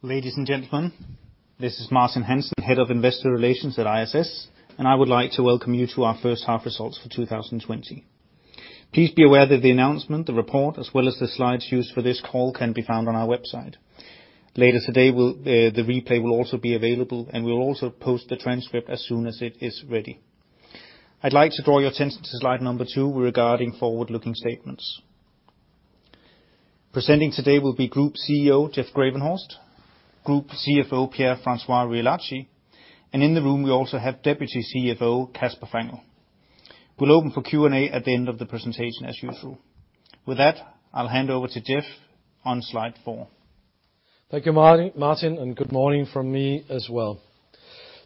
Ladies and gentlemen, this is Martin Hansen, Head of Investor Relations at ISS, and I would like to welcome you to our first half results for 2020. Please be aware that the announcement, the report, as well as the slides used for this call can be found on our website. Later today, the replay will also be available, and we'll also post the transcript as soon as it is ready. I'd like to draw your attention to slide number two regarding forward-looking statements. Presenting today will be Group CEO Jeff Gravenhorst, Group CFO Pierre-François Riolacci, and in the room we also have Deputy CFO Kasper Fangel. We'll open for Q&A at the end of the presentation, as usual. With that, I'll hand over to Jeff on slide four. Thank you, Martin, and good morning from me as well.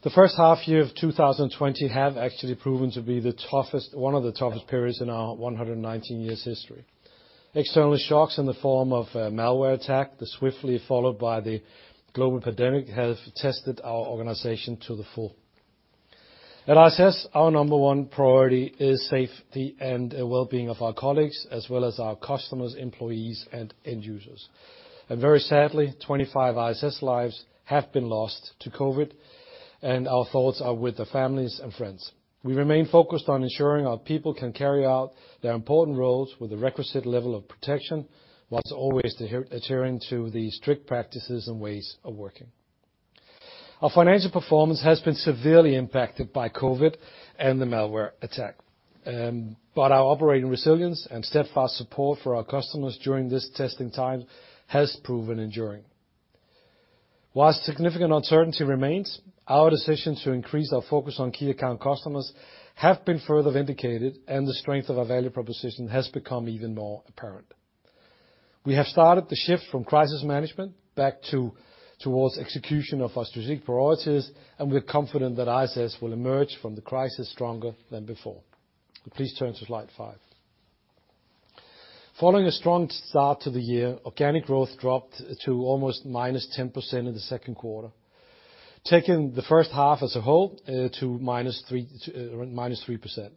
The first half year of 2020 have actually proven to be the toughest, one of the toughest periods in our 119 years' history. External shocks in the form of a malware attack, swiftly followed by the global pandemic, have tested our organization to the full. At ISS, our number one priority is safety and the well-being of our colleagues, as well as our customers, employees, and end users. And very sadly, 25 ISS lives have been lost to COVID, and our thoughts are with the families and friends. We remain focused on ensuring our people can carry out their important roles with the requisite level of protection, whilst always adhering to the strict practices and ways of working. Our financial performance has been severely impacted by COVID and the malware attack, but our operating resilience and steadfast support for our customers during this testing time has proven enduring. While significant uncertainty remains, our decision to increase our focus on key account customers have been further vindicated, and the strength of our value proposition has become even more apparent. We have started the shift from crisis management back towards execution of our strategic priorities, and we're confident that ISS will emerge from the crisis stronger than before. Please turn to slide five. Following a strong start to the year, organic growth dropped to almost -10% in the second quarter, taking the first half as a whole to -3%.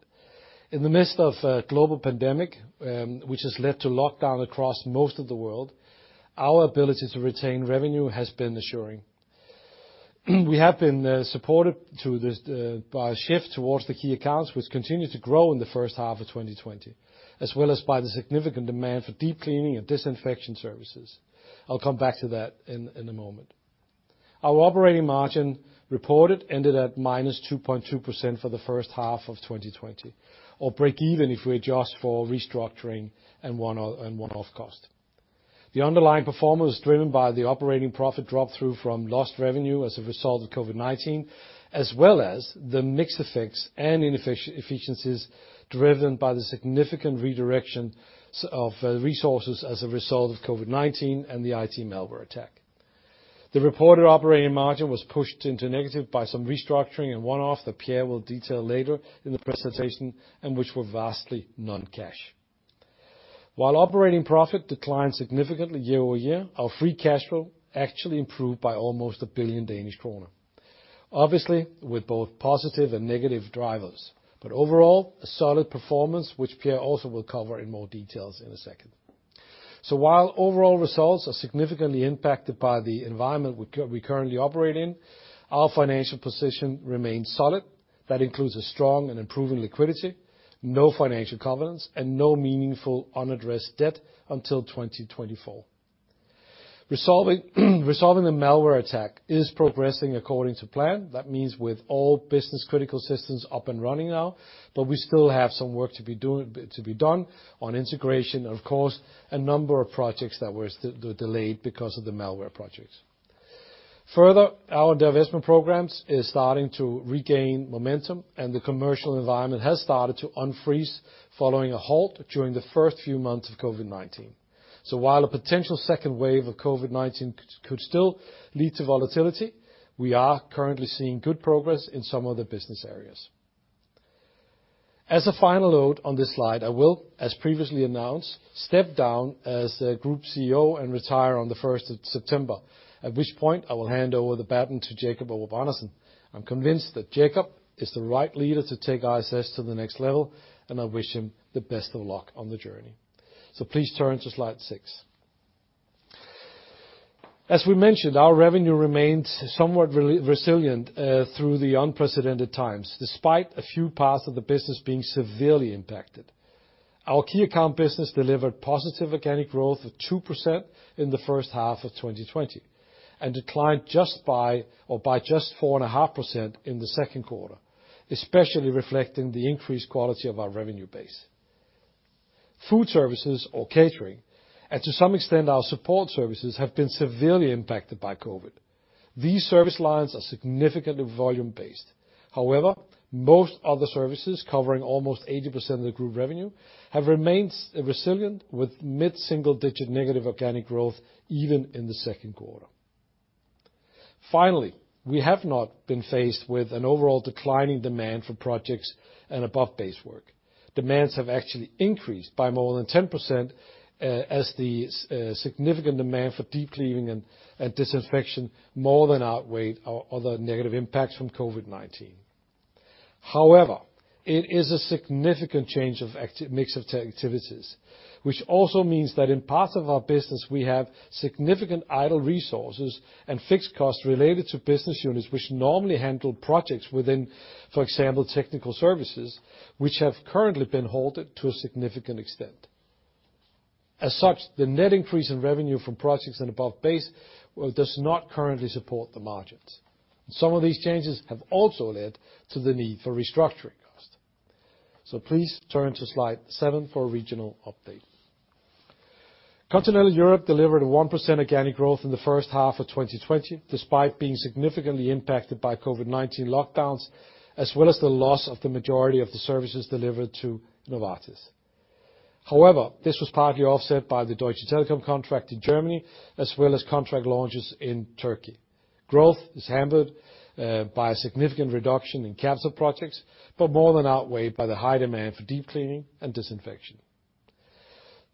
In the midst of a global pandemic, which has led to lockdown across most of the world, our ability to retain revenue has been assuring. We have been supported by a shift towards the key accounts, which continue to grow in the first half of 2020, as well as by the significant demand for deep cleaning and disinfection services. I'll come back to that in a moment. Our operating margin reported ended at -2.2% for the first half of 2020, or break even if we adjust for restructuring and one-off cost. The underlying performance was driven by the operating profit drop-through from lost revenue as a result of COVID-19, as well as the mixed effects and inefficiencies driven by the significant redirection of resources as a result of COVID-19 and the IT malware attack. The reported operating margin was pushed into negative by some restructuring and one-off that Pierre will detail later in the presentation, and which were vastly non-cash. While operating profit declined significantly year-over-year, our free cash flow actually improved by almost 1 billion Danish kroner. Obviously, with both positive and negative drivers, but overall, a solid performance, which Pierre also will cover in more details in a second. So while overall results are significantly impacted by the environment we currently operate in, our financial position remains solid. That includes a strong and improving liquidity, no financial covenants, and no meaningful unaddressed debt until 2024. Resolving the malware attack is progressing according to plan. That means with all business-critical systems up and running now, but we still have some work to be done on integration, and of course, a number of projects that were delayed because of the malware attack. Further, our divestment programs are starting to regain momentum, and the commercial environment has started to unfreeze following a halt during the first few months of COVID-19. So while a potential second wave of COVID-19 could still lead to volatility, we are currently seeing good progress in some of the business areas. As a final note on this slide, I will, as previously announced, step down as Group CEO and retire on the 1st of September, at which point I will hand over the baton to Jacob Aarup-Andersen. I'm convinced that Jacob is the right leader to take ISS to the next level, and I wish him the best of luck on the journey. So please turn to slide six. As we mentioned, our revenue remains somewhat resilient through the unprecedented times, despite a few parts of the business being severely impacted. Our key account business delivered positive organic growth of 2% in the first half of 2020 and declined by just 4.5% in the second quarter, especially reflecting the increased quality of our revenue base. Food services or catering, and to some extent our support services, have been severely impacted by COVID. These service lines are significantly volume-based. However, most other services, covering almost 80% of the group revenue, have remained resilient with mid-single-digit negative organic growth even in the second quarter. Finally, we have not been faced with an overall declining demand for projects and above base work. Demands have actually increased by more than 10%, as the significant demand for deep cleaning and disinfection more than outweighed our other negative impacts from COVID-19. However, it is a significant change of mix of activities, which also means that in parts of our business, we have significant idle resources and fixed costs related to business units, which normally handle projects within, for example, technical services, which have currently been halted to a significant extent. As such, the net increase in revenue from projects and above base does not currently support the margins. Some of these changes have also led to the need for restructuring cost. So please turn to slide seven for a regional update. Continental Europe delivered a 1% organic growth in the first half of 2020, despite being significantly impacted by COVID-19 lockdowns, as well as the loss of the majority of the services delivered to Novartis. However, this was partly offset by the Deutsche Telekom contract in Germany, as well as contract launches in Turkey. Growth is hampered by a significant reduction in capital projects, but more than outweighed by the high demand for deep cleaning and disinfection.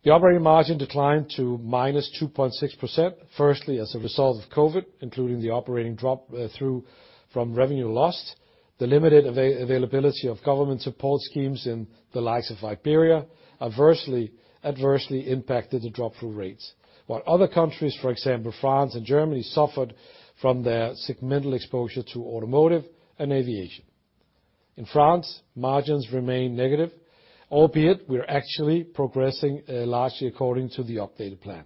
The operating margin declined to -2.6%, firstly as a result of COVID, including the operating drop-through from revenue lost. The limited availability of government support schemes in the likes of Iberia adversely impacted the drop-through rates. While other countries, for example, France and Germany, suffered from their segmental exposure to automotive and aviation. In France, margins remain negative, albeit we're actually progressing largely according to the updated plan.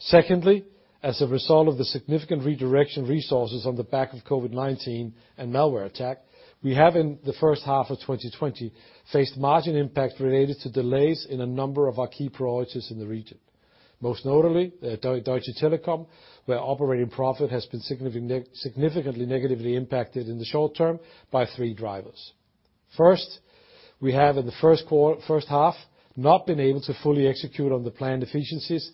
Secondly, as a result of the significant redirection resources on the back of COVID-19 and malware attack, we have in the first half of 2020 faced margin impacts related to delays in a number of our key priorities in the region. Most notably, Deutsche Telekom, where operating profit has been significantly negatively impacted in the short term by three drivers. First, we have in the first half not been able to fully execute on the planned efficiencies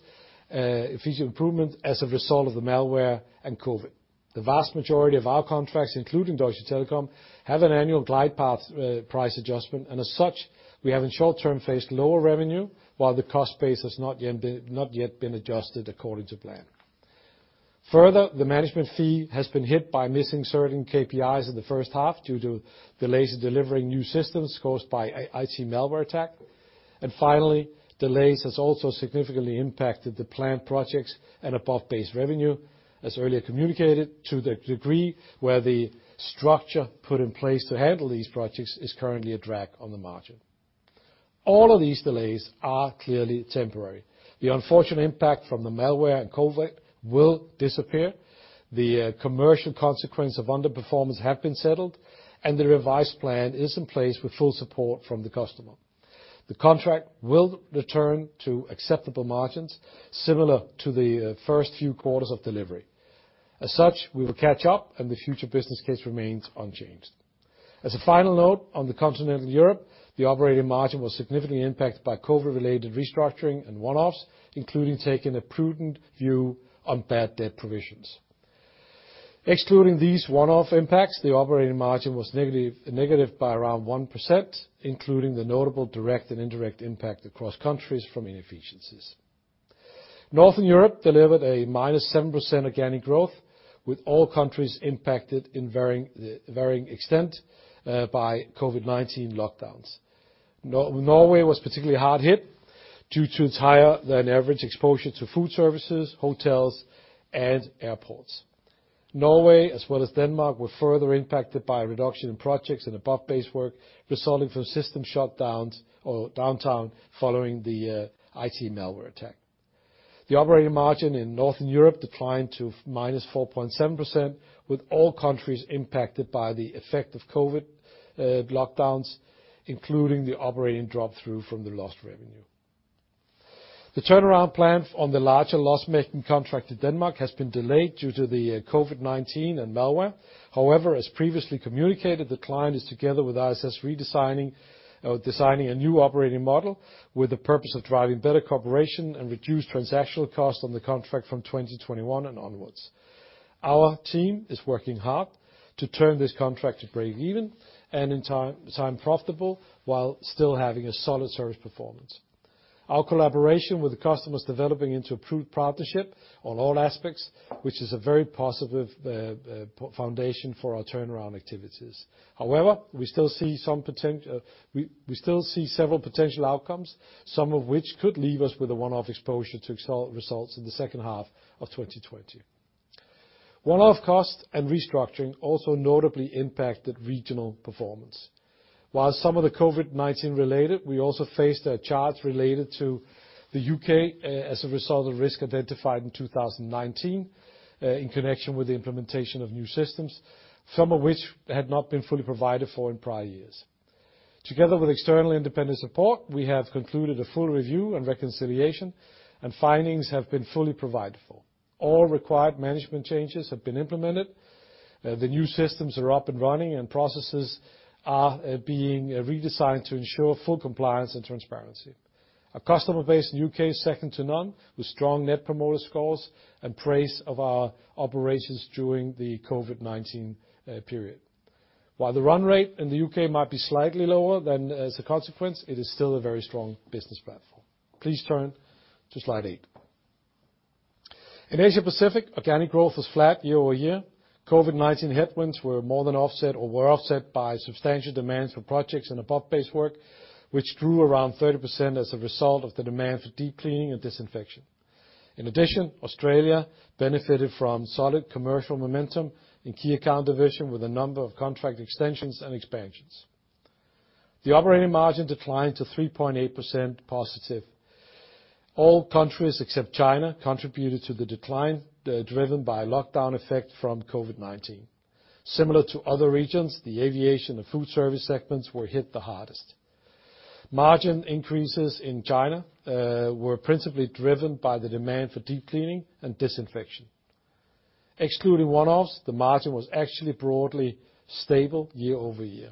improvement as a result of the malware and COVID. The vast majority of our contracts, including Deutsche Telekom, have an annual glide path price adjustment, and as such, we have in short term faced lower revenue, while the cost base has not yet been adjusted according to plan. Further, the management fee has been hit by missing certain KPIs in the first half due to delays in delivering new systems caused by IT malware attack. And finally, delays has also significantly impacted the planned projects and above base revenue, as earlier communicated, to the degree where the structure put in place to handle these projects is currently a drag on the margin. All of these delays are clearly temporary. The unfortunate impact from the malware and COVID will disappear. The commercial consequence of underperformance have been settled, and the revised plan is in place with full support from the customer. The contract will return to acceptable margins, similar to the first few quarters of delivery. As such, we will catch up, and the future business case remains unchanged. As a final note on Continental Europe, the operating margin was significantly impacted by COVID-related restructuring and one-offs, including taking a prudent view on bad debt provisions. Excluding these one-off impacts, the operating margin was negative by around 1%, including the notable direct and indirect impact across countries from inefficiencies. Northern Europe delivered a -7% organic growth, with all countries impacted in varying extent by COVID-19 lockdowns. Norway was particularly hard hit due to its higher-than-average exposure to food services, hotels, and airports. Norway, as well as Denmark, were further impacted by a reduction in projects and above base work resulting from system shutdowns or downtime following the IT malware attack. The operating margin in Northern Europe declined to -4.7%, with all countries impacted by the effect of COVID lockdowns, including the operating drop-through from the lost revenue. The turnaround plan on the larger loss-making contract to Denmark has been delayed due to the COVID-19 and malware. However, as previously communicated, the client is together with ISS redesigning or designing a new operating model with the purpose of driving better cooperation and reduced transactional costs on the contract from 2021 and onwards. Our team is working hard to turn this contract to break-even and in time profitable while still having a solid service performance. Our collaboration with the customer is developing into a proven partnership on all aspects, which is a very positive foundation for our turnaround activities. However, we still see several potential outcomes, some of which could leave us with a one-off exposure to results in the second half of 2020. One-off costs and restructuring also notably impacted regional performance. While some of the COVID-19 related, we also faced charges related to the U.K. as a result of risk identified in 2019 in connection with the implementation of new systems, some of which had not been fully provided for in prior years. Together with external independent support, we have concluded a full review and reconciliation, and findings have been fully provided for. All required management changes have been implemented. The new systems are up and running, and processes are being redesigned to ensure full compliance and transparency. Our customer base in the U.K. is second to none, with strong Net Promoter Scores and praise of our operations during the COVID-19 period. While the run rate in the U.K. might be slightly lower than as a consequence, it is still a very strong business platform. Please turn to slide eight. In Asia Pacific, organic growth was flat year-over-year. COVID-19 headwinds were more than offset or were offset by substantial demands for projects and above base work, which grew around 30% as a result of the demand for deep cleaning and disinfection. In addition, Australia benefited from solid commercial momentum in key account division with a number of contract extensions and expansions. The operating margin declined to 3.8% positive. All countries except China contributed to the decline driven by lockdown effect from COVID-19. Similar to other regions, the aviation and food service segments were hit the hardest. Margin increases in China were principally driven by the demand for deep cleaning and disinfection. Excluding one-offs, the margin was actually broadly stable year-over-year.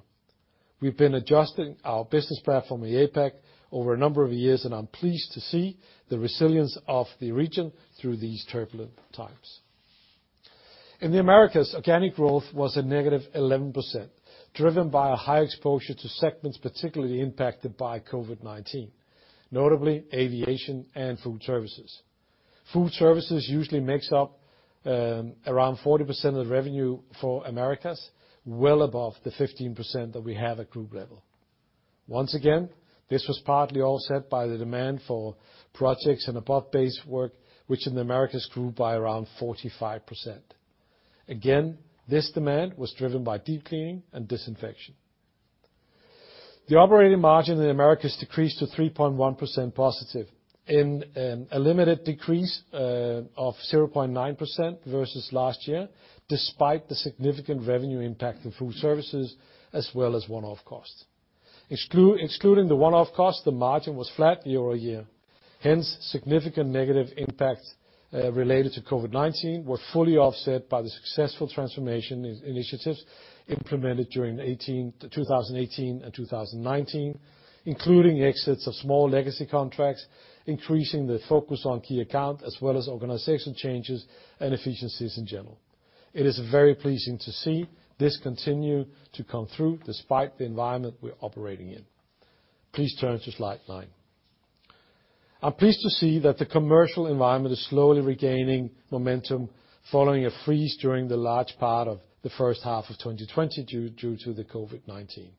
We've been adjusting our business platform at APAC over a number of years, and I'm pleased to see the resilience of the region through these turbulent times. In the Americas, organic growth was a -11%, driven by a high exposure to segments particularly impacted by COVID-19, notably aviation and food services. Food services usually makes up around 40% of the revenue for Americas, well above the 15% that we have at group level. Once again, this was partly offset by the demand for projects and above base work, which in the Americas grew by around 45%. Again, this demand was driven by deep cleaning and disinfection. The operating margin in the Americas decreased to 3.1%+, in a limited decrease of 0.9% versus last year, despite the significant revenue impact of food services as well as one-off costs. Excluding the one-off costs, the margin was flat year-over-year. Hence, significant negative impacts related to COVID-19 were fully offset by the successful transformation initiatives implemented during 2018 and 2019, including exits of small legacy contracts, increasing the focus on key account as well as organizational changes and efficiencies in general. It is very pleasing to see this continue to come through despite the environment we're operating in. Please turn to slide nine. I'm pleased to see that the commercial environment is slowly regaining momentum following a freeze during the large part of the first half of 2020 due to the COVID-19.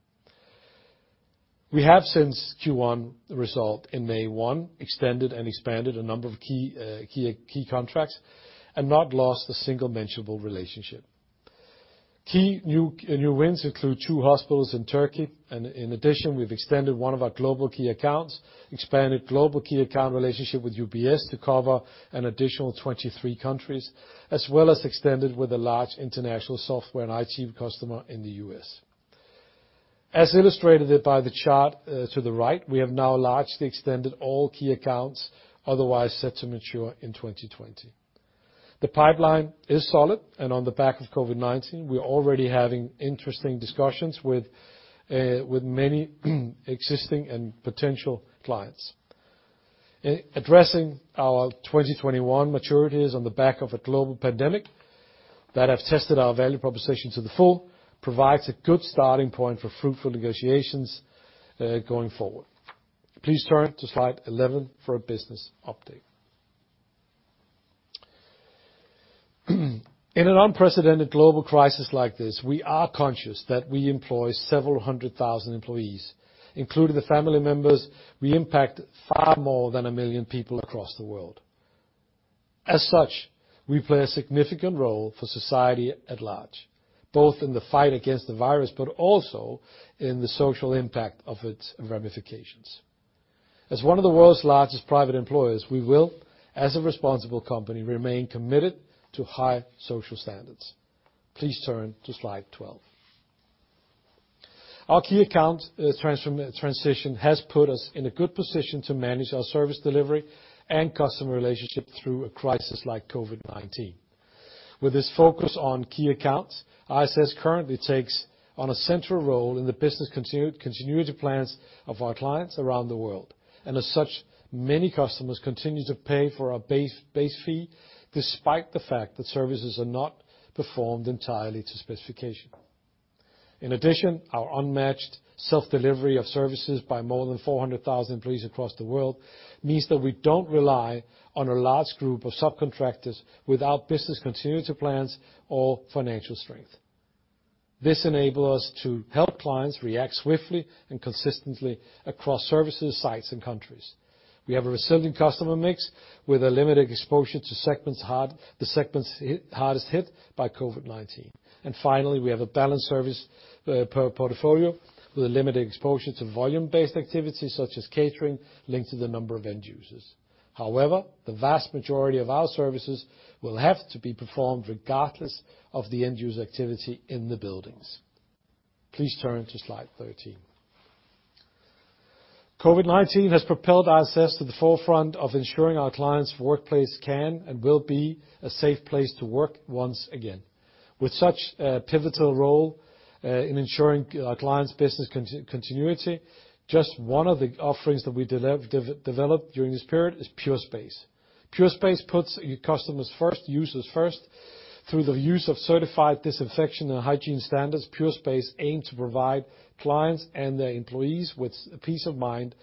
We have since Q1 results in May 1 extended and expanded a number of key contracts and not lost a single mentionable relationship. Key new wins include two hospitals in Turkey. In addition, we've extended one of our global key accounts, expanded global key account relationship with UBS to cover an additional 23 countries, as well as extended with a large international software and IT customer in the U.S. As illustrated by the chart to the right, we have now largely extended all key accounts otherwise set to mature in 2020. The pipeline is solid, and on the back of COVID-19, we're already having interesting discussions with many existing and potential clients. Addressing our 2021 maturities on the back of a global pandemic that have tested our value proposition to the full provides a good starting point for fruitful negotiations going forward. Please turn to slide 11 for a business update. In an unprecedented global crisis like this, we are conscious that we employ several hundred thousand employees, including the family members. We impact far more than a million people across the world. As such, we play a significant role for society at large, both in the fight against the virus, but also in the social impact of its ramifications. As one of the world's largest private employers, we will, as a responsible company, remain committed to high social standards. Please turn to slide 12. Our key account transition has put us in a good position to manage our service delivery and customer relationship through a crisis like COVID-19. With this focus on key accounts, ISS currently takes on a central role in the business continuity plans of our clients around the world. As such, many customers continue to pay for our base fee despite the fact that services are not performed entirely to specification. In addition, our unmatched self-delivery of services by more than 400,000 employees across the world means that we don't rely on a large group of subcontractors without business continuity plans or financial strength. This enables us to help clients react swiftly and consistently across services, sites, and countries. We have a resilient customer mix with a limited exposure to segments hardest hit by COVID-19. Finally, we have a balanced service portfolio with a limited exposure to volume-based activities such as catering linked to the number of end users. However, the vast majority of our services will have to be performed regardless of the end user activity in the buildings. Please turn to slide 13. COVID-19 has propelled ISS to the forefront of ensuring our clients' workplace can and will be a safe place to work once again. With such a pivotal role in ensuring our clients' business continuity, just one of the offerings that we developed during this period is Pure Space. Pure Space puts your customers first, users first, through the use of certified disinfection and hygiene standards. Pure Space aims to provide clients and their employees with peace of mind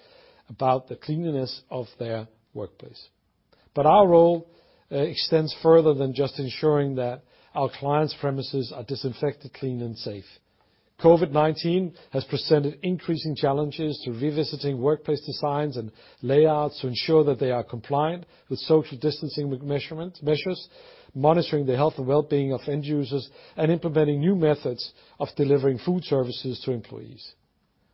about the cleanliness of their workplace. But our role extends further than just ensuring that our clients' premises are disinfected, clean, and safe. COVID-19 has presented increasing challenges to revisiting workplace designs and layouts to ensure that they are compliant with social distancing measures, monitoring the health and well-being of end users, and implementing new methods of delivering food services to employees.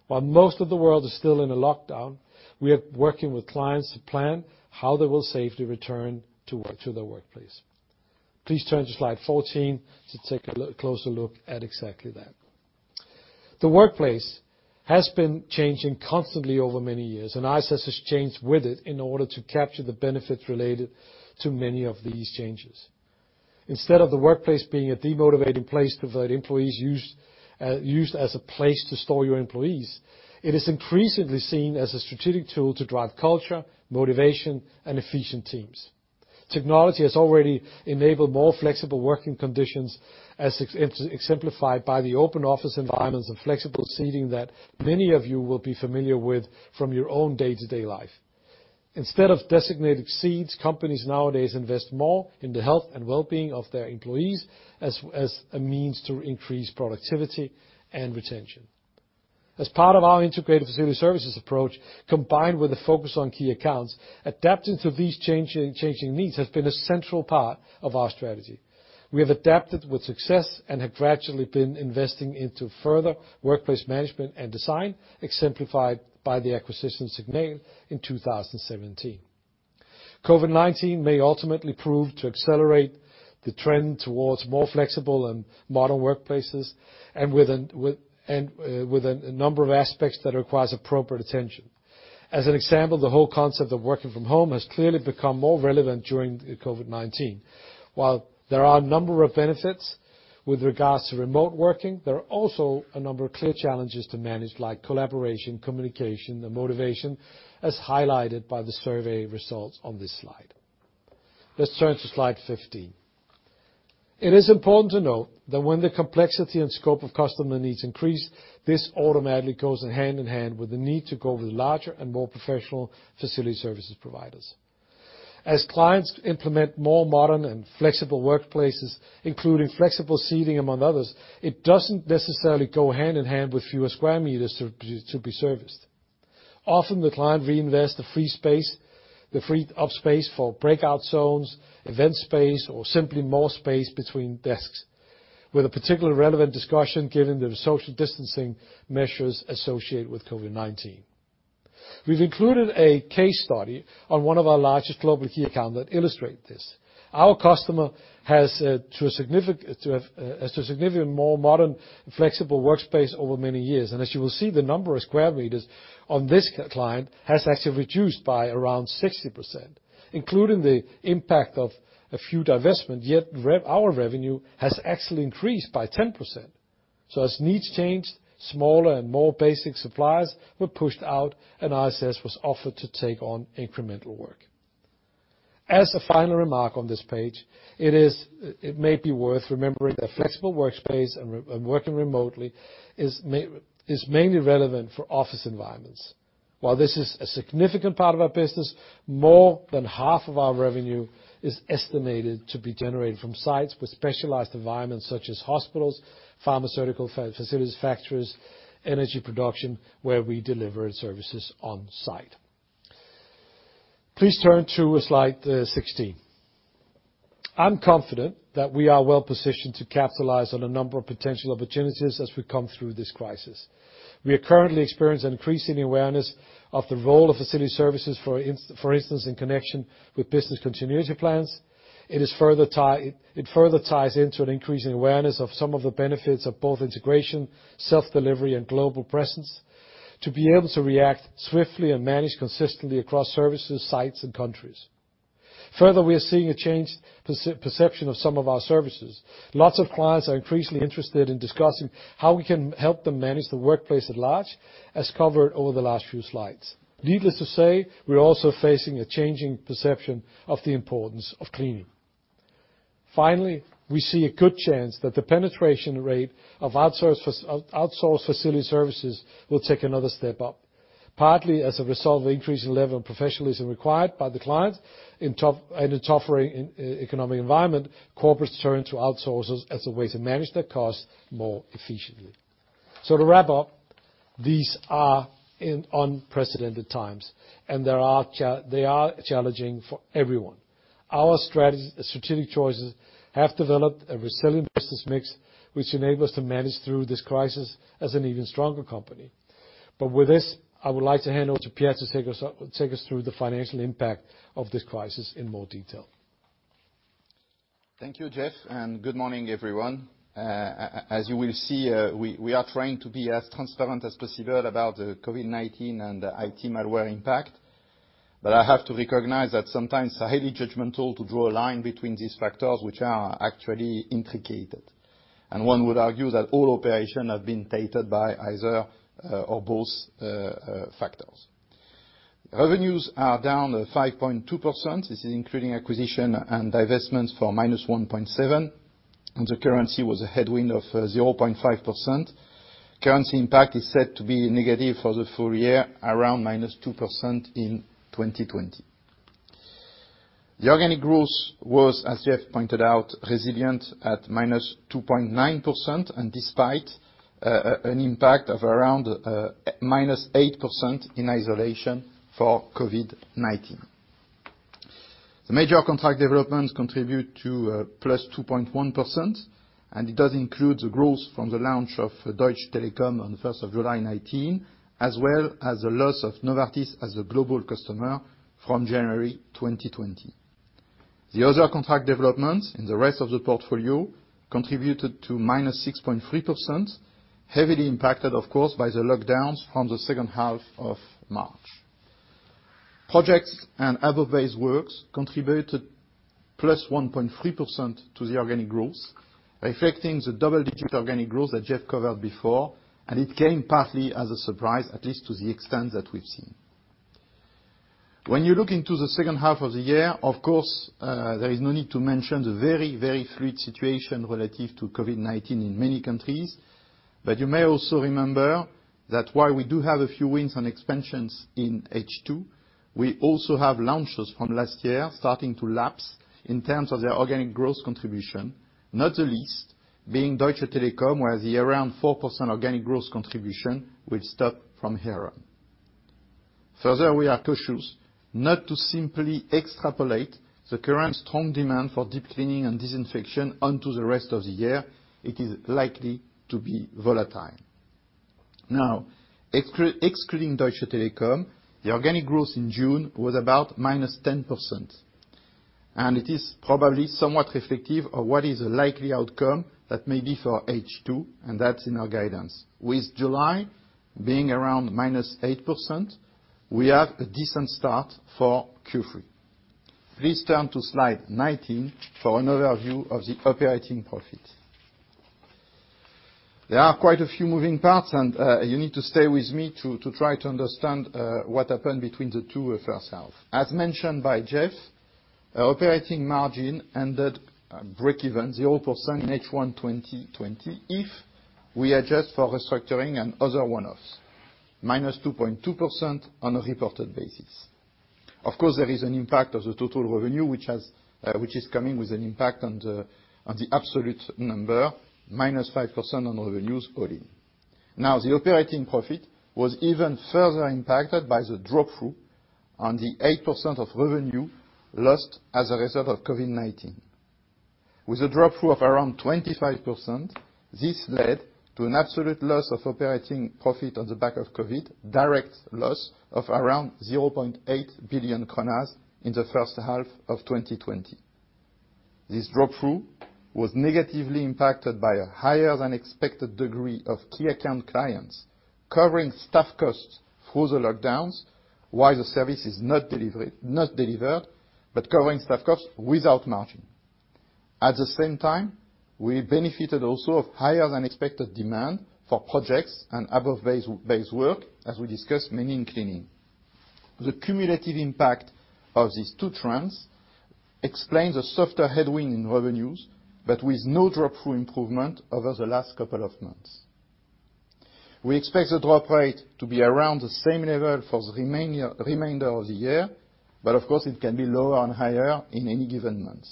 While most of the world is still in a lockdown, we are working with clients to plan how they will safely return to their workplace. Please turn to slide 14 to take a closer look at exactly that. The workplace has been changing constantly over many years, and ISS has changed with it in order to capture the benefits related to many of these changes. Instead of the workplace being a demotivating place to avoid, employees used as a place to store your employees, it is increasingly seen as a strategic tool to drive culture, motivation, and efficient teams. Technology has already enabled more flexible working conditions, as exemplified by the open office environments and flexible seating that many of you will be familiar with from your own day-to-day life. Instead of designated seats, companies nowadays invest more in the health and well-being of their employees as a means to increase productivity and retention. As part of our integrated facility services approach, combined with a focus on key accounts, adapting to these changing needs has been a central part of our strategy. We have adapted with success and have gradually been investing into further workplace management and design, exemplified by the acquisition SIGNAL in 2017. COVID-19 may ultimately prove to accelerate the trend towards more flexible and modern workplaces and with a number of aspects that require appropriate attention. As an example, the whole concept of working from home has clearly become more relevant during COVID-19. While there are a number of benefits with regards to remote working, there are also a number of clear challenges to manage, like collaboration, communication, and motivation, as highlighted by the survey results on this slide. Let's turn to slide 15. It is important to note that when the complexity and scope of customer needs increase, this automatically goes hand in hand with the need to go with larger and more professional facility services providers. As clients implement more modern and flexible workplaces, including flexible seating, among others, it doesn't necessarily go hand in hand with fewer square meters to be serviced. Often, the client reinvests the free space, the free up space for breakout zones, event space, or simply more space between desks, with a particularly relevant discussion given the social distancing measures associated with COVID-19. We've included a case study on one of our largest global key accounts that illustrates this. Our customer has had a significant more modern, flexible workspace over many years, and as you will see, the number of square meters on this client has actually reduced by around 60%, including the impact of a few divestments. Yet our revenue has actually increased by 10%, so as needs changed, smaller and more basic supplies were pushed out, and ISS was offered to take on incremental work. As a final remark on this page, it may be worth remembering that flexible workspace and working remotely is mainly relevant for office environments. While this is a significant part of our business, more than half of our revenue is estimated to be generated from sites with specialized environments such as hospitals, pharmaceutical facilities, factories, energy production, where we deliver services on site. Please turn to slide 16. I'm confident that we are well positioned to capitalize on a number of potential opportunities as we come through this crisis. We are currently experiencing increasing awareness of the role of facility services, for instance, in connection with business continuity plans. It further ties into an increasing awareness of some of the benefits of both integration, self-delivery, and global presence to be able to react swiftly and manage consistently across services, sites, and countries. Further, we are seeing a changed perception of some of our services. Lots of clients are increasingly interested in discussing how we can help them manage the workplace at large, as covered over the last few slides. Needless to say, we're also facing a changing perception of the importance of cleaning. Finally, we see a good chance that the penetration rate of outsourced facility services will take another step up, partly as a result of the increasing level of professionalism required by the clients in a tougher economic environment. Corporates turn to outsourcers as a way to manage their costs more efficiently. So to wrap up, these are in unprecedented times, and they are challenging for everyone. Our strategic choices have developed a resilient business mix, which enables us to manage through this crisis as an even stronger company. But with this, I would like to hand over to Pierre to take us through the financial impact of this crisis in more detail. Thank you, Jeff, and good morning, everyone. As you will see, we are trying to be as transparent as possible about the COVID-19 and the IT malware impact. But I have to recognize that sometimes it's highly judgmental to draw a line between these factors, which are actually intricate. And one would argue that all operations have been tainted by either or both factors. Revenues are down 5.2%. This is including acquisition and divestments for -1.7%. And the currency was a headwind of 0.5%. Currency impact is set to be negative for the full year, around -2% in 2020. The organic growth was, as Jeff pointed out, resilient at -2.9%, and despite an impact of around -8% in isolation for COVID-19. The major contract developments contribute to +2.1%, and it does include the growth from the launch of Deutsche Telekom on the 1st of July 2019, as well as the loss of Novartis as a global customer from January 2020. The other contract developments in the rest of the portfolio contributed to -6.3%, heavily impacted, of course, by the lockdowns from the second half of March. Projects and other base works contributed +1.3% to the organic growth, reflecting the double-digit organic growth that Jeff covered before. And it came partly as a surprise, at least to the extent that we've seen. When you look into the second half of the year, of course, there is no need to mention the very, very fluid situation relative to COVID-19 in many countries. But you may also remember that while we do have a few wins and expansions in H2, we also have launches from last year starting to lapse in terms of their organic growth contribution, not the least being Deutsche Telekom, where the around 4% organic growth contribution will stop from here on. Further, we are cautious not to simply extrapolate the current strong demand for deep cleaning and disinfection onto the rest of the year. It is likely to be volatile. Now, excluding Deutsche Telekom, the organic growth in June was about -10%. And it is probably somewhat reflective of what is a likely outcome that may be for H2, and that's in our guidance. With July being around -8%, we have a decent start for Q3. Please turn to slide 19 for an overview of the operating profit. There are quite a few moving parts, and you need to stay with me to try to understand what happened between the two first halves. As mentioned by Jeff, operating margin ended breakeven, 0% in H1 2020, if we adjust for restructuring and other one-offs, -2.2% on a reported basis. Of course, there is an impact of the total revenue, which is coming with an impact on the absolute number, -5% on revenues all in. Now, the operating profit was even further impacted by the drop-through on the 8% of revenue lost as a result of COVID-19. With a drop-through of around 25%, this led to an absolute loss of operating profit on the back of COVID, direct loss of around 0.8 billion kroner in the first half of 2020. This drop-through was negatively impacted by a higher-than-expected degree of key account clients covering staff costs through the lockdowns, while the service is not delivered, but covering staff costs without margin. At the same time, we benefited also of higher-than-expected demand for projects and above base work, as we discussed, mainly in cleaning. The cumulative impact of these two trends explains a softer headwind in revenues, but with no drop-through improvement over the last couple of months. We expect the drop rate to be around the same level for the remainder of the year, but of course, it can be lower and higher in any given month.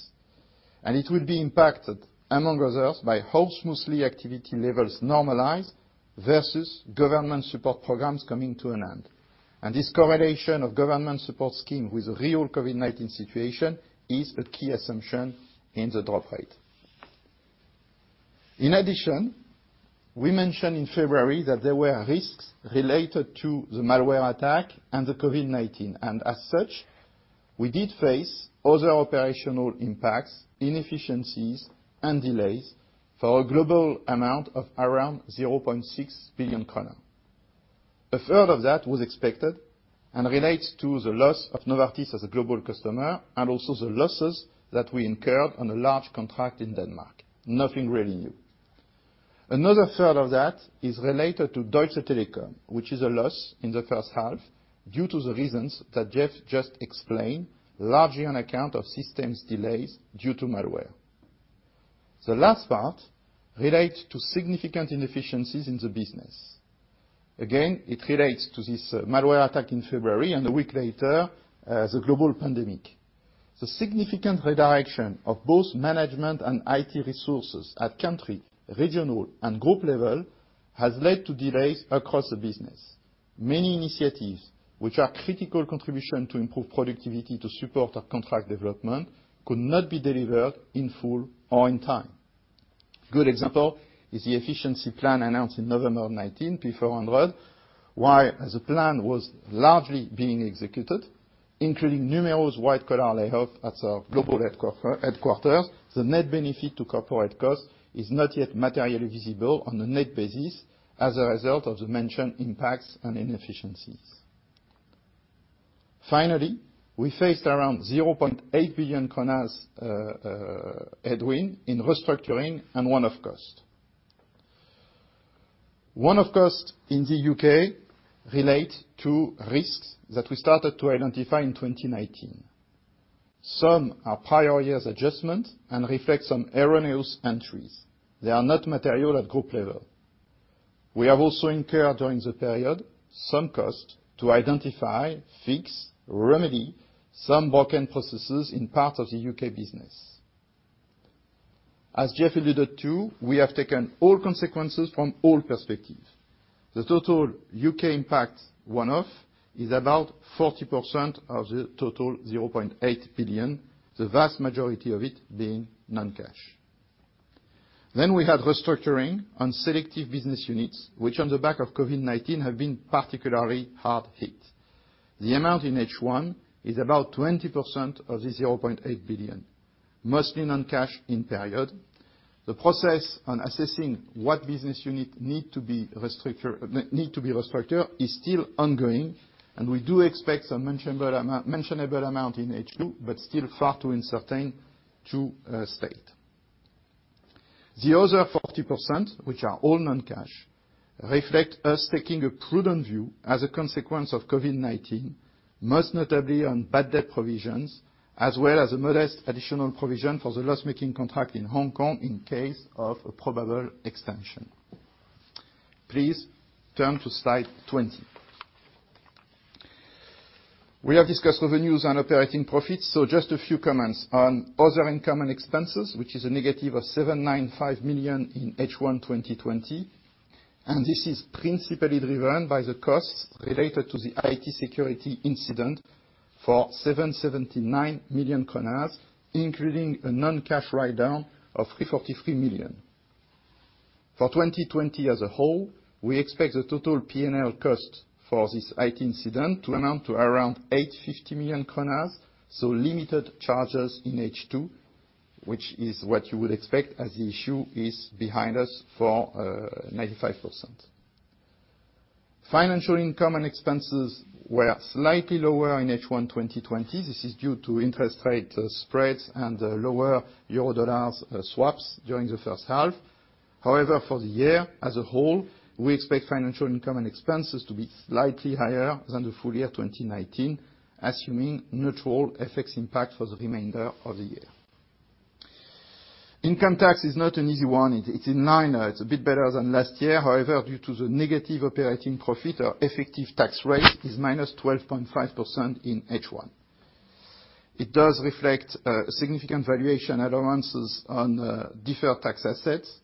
And it will be impacted, among others, by how smoothly activity levels normalize versus government support programs coming to an end. And this correlation of government support scheme with the real COVID-19 situation is a key assumption in the drop rate. In addition, we mentioned in February that there were risks related to the malware attack and the COVID-19, and as such, we did face other operational impacts, inefficiencies, and delays for a global amount of around 0.6 billion kroner. A third of that was expected and relates to the loss of Novartis as a global customer and also the losses that we incurred on a large contract in Denmark. Nothing really new. Another third of that is related to Deutsche Telekom, which is a loss in the first half due to the reasons that Jeff just explained, largely on account of systems delays due to malware. The last part relates to significant inefficiencies in the business. Again, it relates to this malware attack in February and a week later, the global pandemic. The significant redirection of both management and IT resources at country, regional, and group level has led to delays across the business. Many initiatives, which are critical contributions to improve productivity to support our contract development, could not be delivered in full or in time. A good example is the efficiency plan announced in November 2019, [P400], while, as the plan was largely being executed, including numerous white-collar layoffs at our global headquarters, the net benefit to corporate costs is not yet materially visible on a net basis as a result of the mentioned impacts and inefficiencies. Finally, we faced around 0.8 billion kroner headwind in restructuring and one-off costs. One-off costs in the U.K. relate to risks that we started to identify in 2019. Some are prior years' adjustments and reflect some erroneous entries. They are not material at group level. We have also incurred during the period some costs to identify, fix, remedy some broken processes in parts of the U.K. business. As Jeff alluded to, we have taken all consequences from all perspectives. The total U.K. impact one-off is about 40% of the total 0.8 billion, the vast majority of it being non-cash. Then we had restructuring on selective business units, which on the back of COVID-19 have been particularly hard hit. The amount in H1 is about 20% of the 0.8 billion, mostly non-cash in period. The process on assessing what business units need to be restructured is still ongoing, and we do expect some mentionable amount in H2, but still far too uncertain to state. The other 40%, which are all non-cash, reflect us taking a prudent view as a consequence of COVID-19, most notably on bad debt provisions, as well as a modest additional provision for the loss-making contract in Hong Kong in case of a probable extension. Please turn to slide 20. We have discussed revenues and operating profits, so just a few comments on other income and expenses, which is a negative of 795 million in H1 2020, and this is principally driven by the costs related to the IT security incident for 779 million kroner, including a non-cash write-down of 343 million. For 2020 as a whole, we expect the total P&L cost for this IT incident to amount to around 850 million kroner, so limited charges in H2, which is what you would expect as the issue is behind us for 95%. Financial income and expenses were slightly lower in H1 2020. This is due to interest rate spreads and lower Euro/Dollar swaps during the first half. However, for the year as a whole, we expect financial income and expenses to be slightly higher than the full year 2019, assuming neutral effects impact for the remainder of the year. Income tax is not an easy one. It's in line. It's a bit better than last year. However, due to the negative operating profit, our effective tax rate is -12.5% in H1. It does reflect significant valuation allowances on deferred tax assets,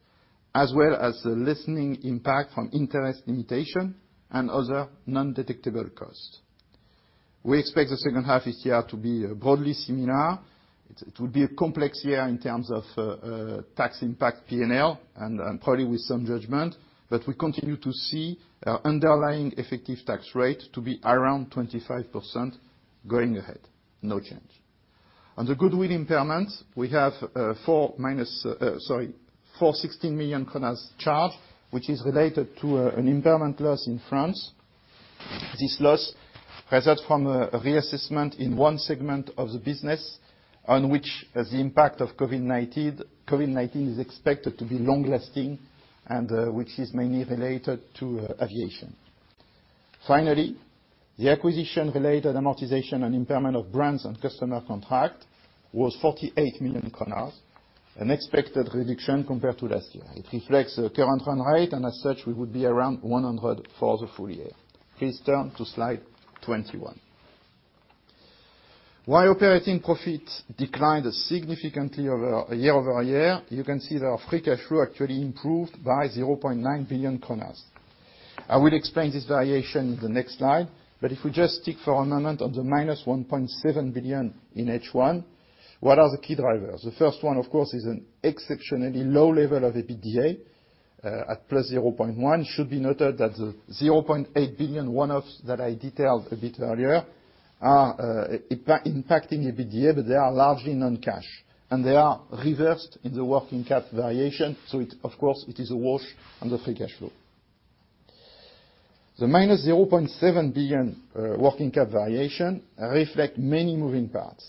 as well as the lessening impact from interest limitation and other non-deductible costs. We expect the second half of this year to be broadly similar. It will be a complex year in terms of tax impact P&L and probably with some judgment, but we continue to see our underlying effective tax rate to be around 25% going ahead, no change. On the goodwill impairment, we have 416 million kroner charged, which is related to an impairment loss in France. This loss results from a reassessment in one segment of the business on which the impact of COVID-19 is expected to be long-lasting, and which is mainly related to aviation. Finally, the acquisition-related amortization and impairment of brands and customer contract was 48 million kroner, an expected reduction compared to last year. It reflects the current run rate, and as such, we would be around 100 for the full year. Please turn to slide 21. While operating profits declined significantly year-over-year, you can see that our free cash flow actually improved by 0.9 billion kroner. I will explain this variation in the next slide, but if we just stick for a moment on the -1.7 billion in H1, what are the key drivers? The first one, of course, is an exceptionally low level of EBITDA at +0.1. It should be noted that the 0.8 billion one-offs that I detailed a bit earlier are impacting EBITDA, but they are largely non-cash, and they are reversed in the working cap variation, so of course, it is a wash on the free cash flow. The -0.7 billion working cap variation reflects many moving parts.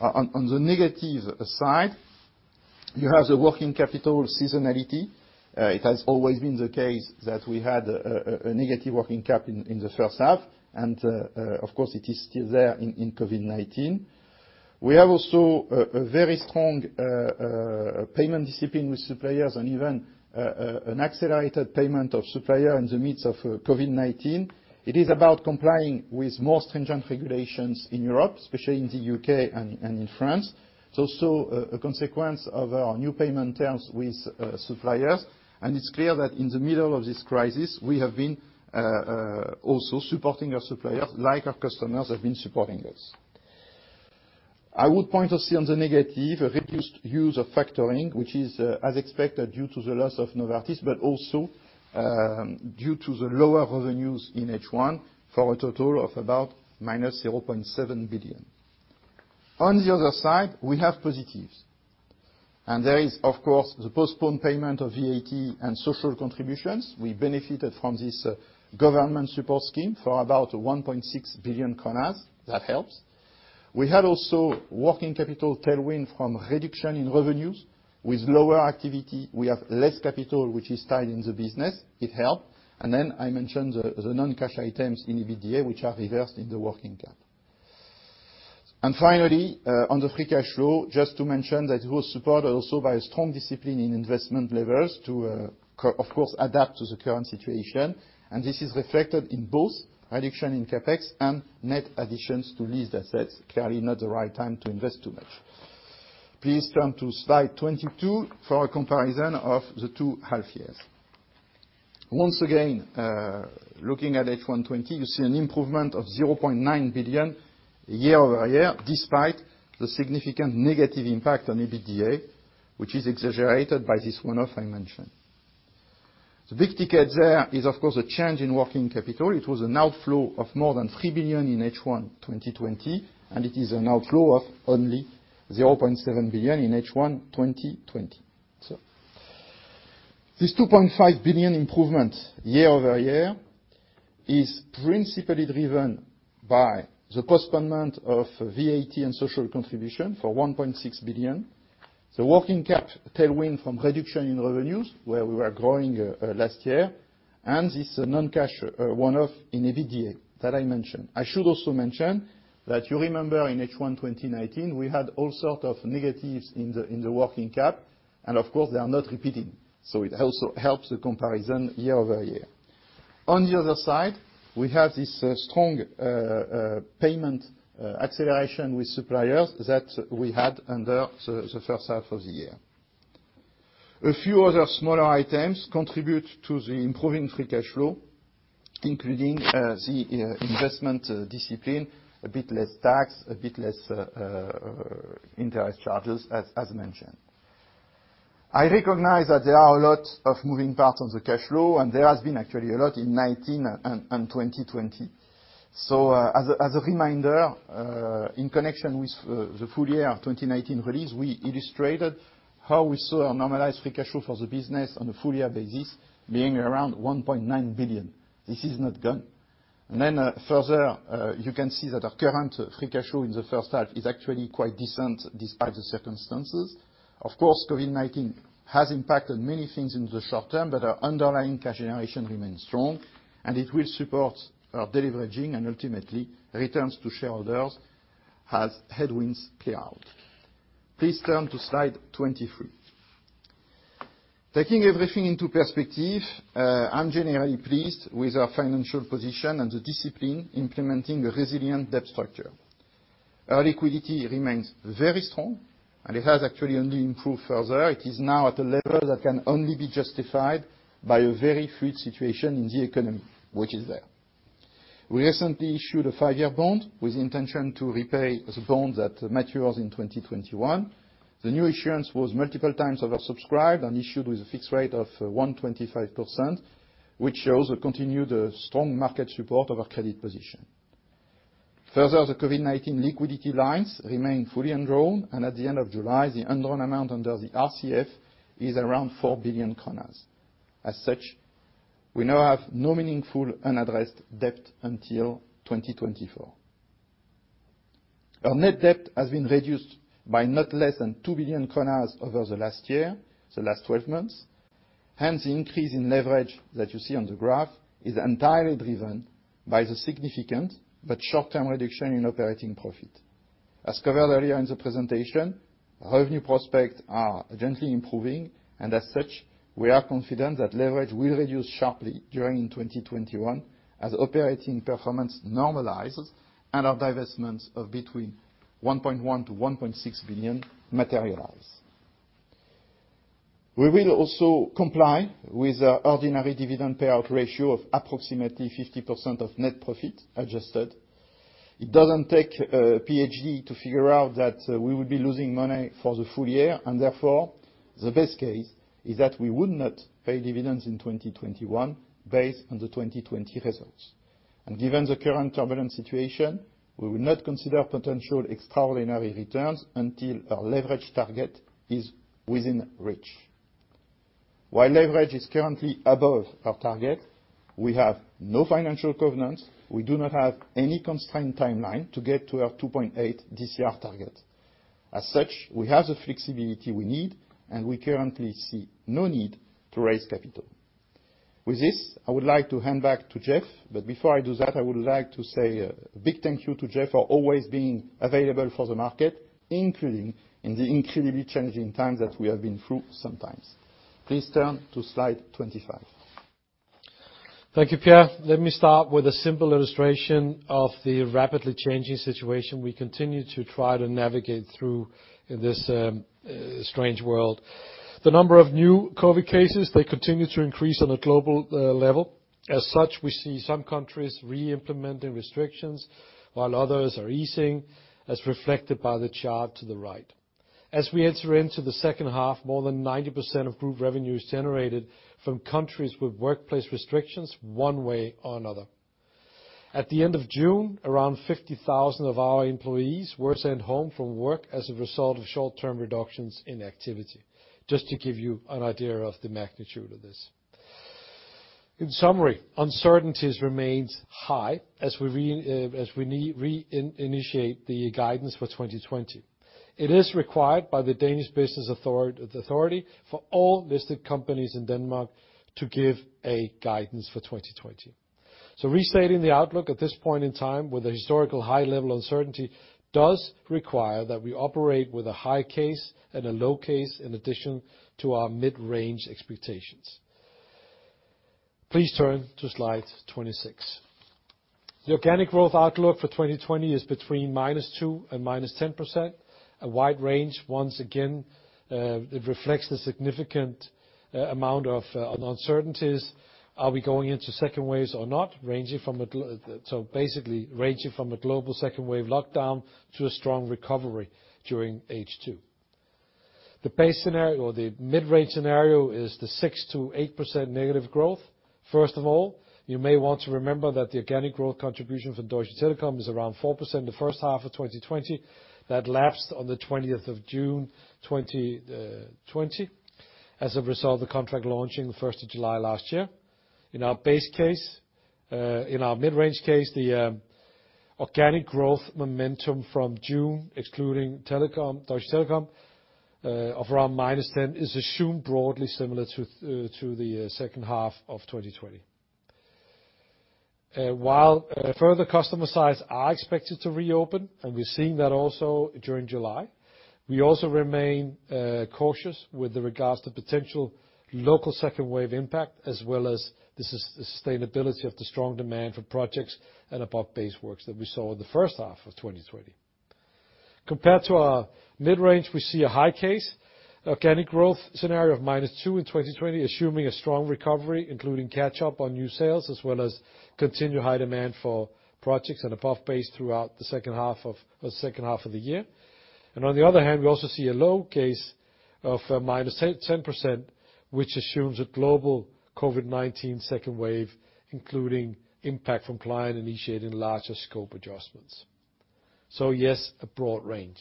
On the negative side, you have the working capital seasonality. It has always been the case that we had a negative working capital in the first half, and of course, it is still there in COVID-19. We have also a very strong payment discipline with suppliers and even an accelerated payment of suppliers in the midst of COVID-19. It is about complying with more stringent regulations in Europe, especially in the U.K. and in France. It's also a consequence of our new payment terms with suppliers, and it's clear that in the middle of this crisis, we have been also supporting our suppliers like our customers have been supporting us. I would point also on the negative, a reduced use of factoring, which is, as expected, due to the loss of Novartis, but also due to the lower revenues in H1 for a total of about -0.7 billion. On the other side, we have positives. There is, of course, the postponed payment of VAT and social contributions. We benefited from this government support scheme for about 1.6 billion kroner. That helps. We had also working capital tailwind from reduction in revenues. With lower activity, we have less capital, which is tied in the business. It helped. Then I mentioned the non-cash items in EBITDA, which are reversed in the working cap. Finally, on the free cash flow, just to mention that it was supported also by a strong discipline in investment levels to, of course, adapt to the current situation. This is reflected in both reduction in CapEx and net additions to leased assets. Clearly, not the right time to invest too much. Please turn to slide 22 for a comparison of the two half years. Once again, looking at H1 2020, you see an improvement of 0.9 billion year-over-year, despite the significant negative impact on EBITDA, which is exaggerated by this one-off I mentioned. The big ticket there is, of course, a change in working capital. It was an outflow of more than 3 billion in H1 2020, and it is an outflow of only 0.7 billion in H1 2020. This 2.5 billion improvement year-over-year is principally driven by the postponement of VAT and social contribution for 1.6 billion, the working cap tailwind from reduction in revenues, where we were growing last year, and this non-cash one-off in EBITDA that I mentioned. I should also mention that you remember in H1 2019, we had all sorts of negatives in the working cap, and of course, they are not repeating. So it also helps the comparison year-over-year. On the other side, we have this strong payment acceleration with suppliers that we had under the first half of the year. A few other smaller items contribute to the improving free cash flow, including the investment discipline, a bit less tax, a bit less interest charges, as mentioned. I recognize that there are a lot of moving parts on the cash flow, and there has been actually a lot in 2019 and 2020. So as a reminder, in connection with the full year 2019 release, we illustrated how we saw our normalized free cash flow for the business on a full year basis being around 1.9 billion. This is not gone. And then further, you can see that our current free cash flow in the first half is actually quite decent despite the circumstances. Of course, COVID-19 has impacted many things in the short term, but our underlying cash generation remains strong, and it will support our debt leverage, and ultimately, returns to shareholders as headwinds clear out. Please turn to slide 23. Taking everything into perspective, I'm generally pleased with our financial position and the disciplined implementation of a resilient debt structure. Our liquidity remains very strong, and it has actually only improved further. It is now at a level that can only be justified by a very fluid situation in the economy, which is there. We recently issued a five-year bond with the intention to repay the bond that matures in 2021. The new issuance was multiple times oversubscribed and issued with a fixed rate of 1.25%, which shows a continued strong market support of our credit position. Further, the COVID-19 liquidity lines remain fully enrolled, and at the end of July, the enrolled amount under the RCF is around 4 billion kroner. As such, we now have no meaningful unaddressed debt until 2024. Our net debt has been reduced by not less than 2 billion kroner over the last year, the last 12 months. Hence, the increase in leverage that you see on the graph is entirely driven by the significant but short-term reduction in operating profit. As covered earlier in the presentation, revenue prospects are gently improving, and as such, we are confident that leverage will reduce sharply during 2021 as operating performance normalizes and our divestments of between 1.1 billion-1.6 billion materialize. We will also comply with our ordinary dividend payout ratio of approximately 50% of net profit adjusted. It doesn't take a PhD to figure out that we will be losing money for the full year, and therefore, the best case is that we would not pay dividends in 2021 based on the 2020 results. And given the current turbulent situation, we will not consider potential extraordinary returns until our leverage target is within reach. While leverage is currently above our target, we have no financial covenants. We do not have any constrained timeline to get to our 2.8 this year target. As such, we have the flexibility we need, and we currently see no need to raise capital. With this, I would like to hand back to Jeff, but before I do that, I would like to say a big thank you to Jeff for always being available for the market, including in the incredibly changing times that we have been through sometimes. Please turn to slide 25. Thank you, Pierre. Let me start with a simple illustration of the rapidly changing situation we continue to try to navigate through in this strange world. The number of new COVID cases, they continue to increase on a global level. As such, we see some countries re-implementing restrictions while others are easing, as reflected by the chart to the right. As we enter into the second half, more than 90% of group revenues generated from countries with workplace restrictions one way or another. At the end of June, around 50,000 of our employees were sent home from work as a result of short-term reductions in activity, just to give you an idea of the magnitude of this. In summary, uncertainty remains high as we re-initiate the guidance for 2020. It is required by the Danish Business Authority for all listed companies in Denmark to give a guidance for 2020, so restating the outlook at this point in time with a historical high level of uncertainty does require that we operate with a high case and a low case in addition to our mid-range expectations. Please turn to slide 26. The organic growth outlook for 2020 is between -2% and -10%. A wide range, once again, it reflects the significant amount of uncertainties. Are we going into second waves or not, ranging from a global second wave lockdown to a strong recovery during H2? The base scenario or the mid-range scenario is the 6% to 8% negative growth. First of all, you may want to remember that the organic growth contribution for Deutsche Telekom is around 4% the first half of 2020 that lapsed on the 20th of June 2020, as a result of the contract launching the 1st of July last year. In our mid-range case, the organic growth momentum from June, excluding Deutsche Telekom, of around -10% is assumed broadly similar to the second half of 2020. While further customer sites are expected to reopen, and we're seeing that also during July, we also remain cautious with regards to potential local second wave impact, as well as the sustainability of the strong demand for projects and above base works that we saw in the first half of 2020. Compared to our mid-range, we see a high case, organic growth scenario of -2% in 2020, assuming a strong recovery, including catch-up on new sales, as well as continued high demand for projects and above base throughout the second half of the year. And on the other hand, we also see a low case of -10%, which assumes a global COVID-19 second wave, including impact from client initiating larger scope adjustments. So yes, a broad range.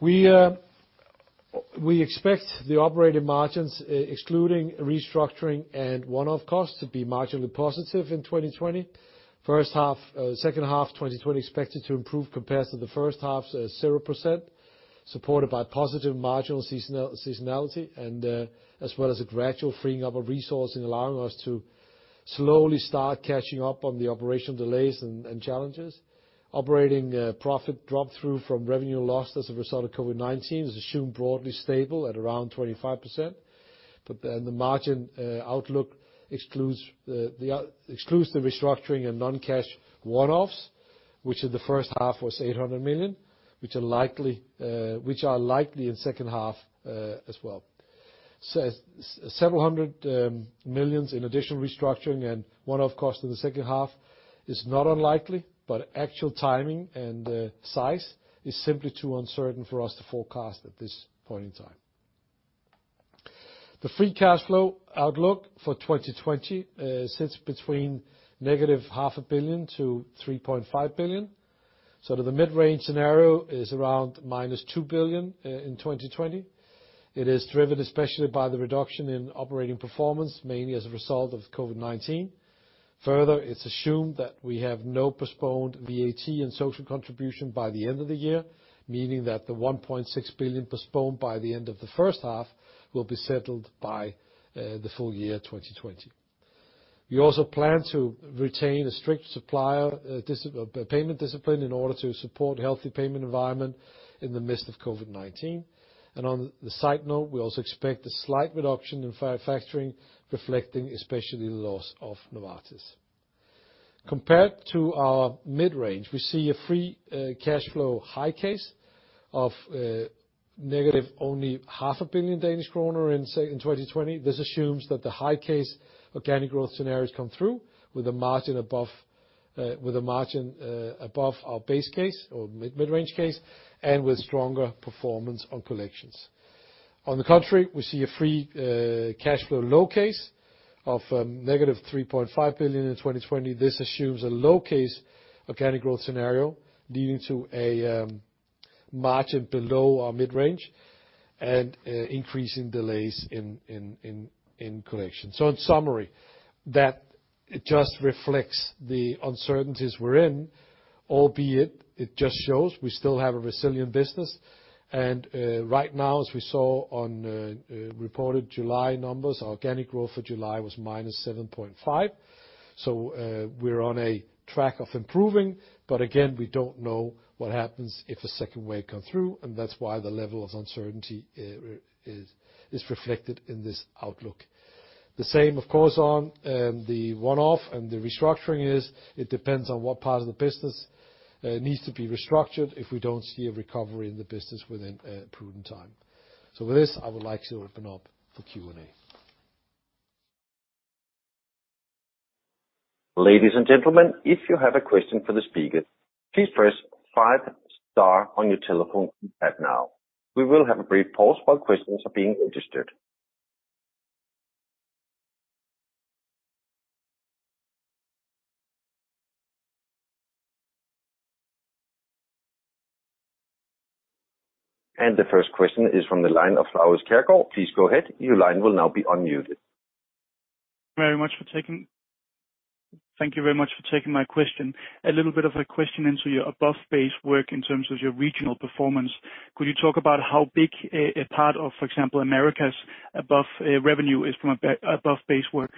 We expect the operating margins, excluding restructuring and one-off costs, to be marginally positive in 2020. Second half 2020 is expected to improve compared to the first half's 0%, supported by positive marginal seasonality, as well as a gradual freeing up of resourcing, allowing us to slowly start catching up on the operational delays and challenges. Operating profit drop-through from revenue lost as a result of COVID-19 is assumed broadly stable at around 25%. But then the margin outlook excludes the restructuring and non-cash one-offs, which in the first half was 800 million, which are likely in second half as well. Several hundred millions in additional restructuring and one-off cost in the second half is not unlikely, but actual timing and size is simply too uncertain for us to forecast at this point in time. The free cash flow outlook for 2020 sits between -0.5 billion to 3.5 billion. The mid-range scenario is around -2 billion in 2020. It is driven especially by the reduction in operating performance, mainly as a result of COVID-19. Further, it's assumed that we have no postponed VAT and social contribution by the end of the year, meaning that the 1.6 billion postponed by the end of the first half will be settled by the full year 2020. We also plan to retain a strict payment discipline in order to support a healthy payment environment in the midst of COVID-19. And on the side note, we also expect a slight reduction in factoring, reflecting especially the loss of Novartis. Compared to our mid-range, we see a free cash flow high case of negative only 0.5 billion Danish kroner in 2020. This assumes that the high case organic growth scenarios come through with a margin above our base case or mid-range case and with stronger performance on collections. On the contrary, we see a free cash flow low case of -3.5 billion in 2020. This assumes a low case organic growth scenario leading to a margin below our mid-range and increasing delays in collections. So in summary, that just reflects the uncertainties we're in, albeit it just shows we still have a resilient business. And right now, as we saw on reported July numbers, our organic growth for July was -7.5%. So we're on a track of improving, but again, we don't know what happens if a second wave comes through, and that's why the level of uncertainty is reflected in this outlook. The same, of course, on the one-off and the restructuring. It depends on what part of the business needs to be restructured if we don't see a recovery in the business within a prudent time. So with this, I would like to open up for Q&A. Ladies and gentlemen, if you have a question for the speaker, please press five star on your telephone right now. We will have a brief pause while questions are being registered. And the first question is from the line of Laurits Kjærgaard. Please go ahead. Your line will now be unmuted. Thank you very much for taking my question. A little bit of a question into your above base work in terms of your regional performance. Could you talk about how big a part of, for example, Americas above revenue is from above base work?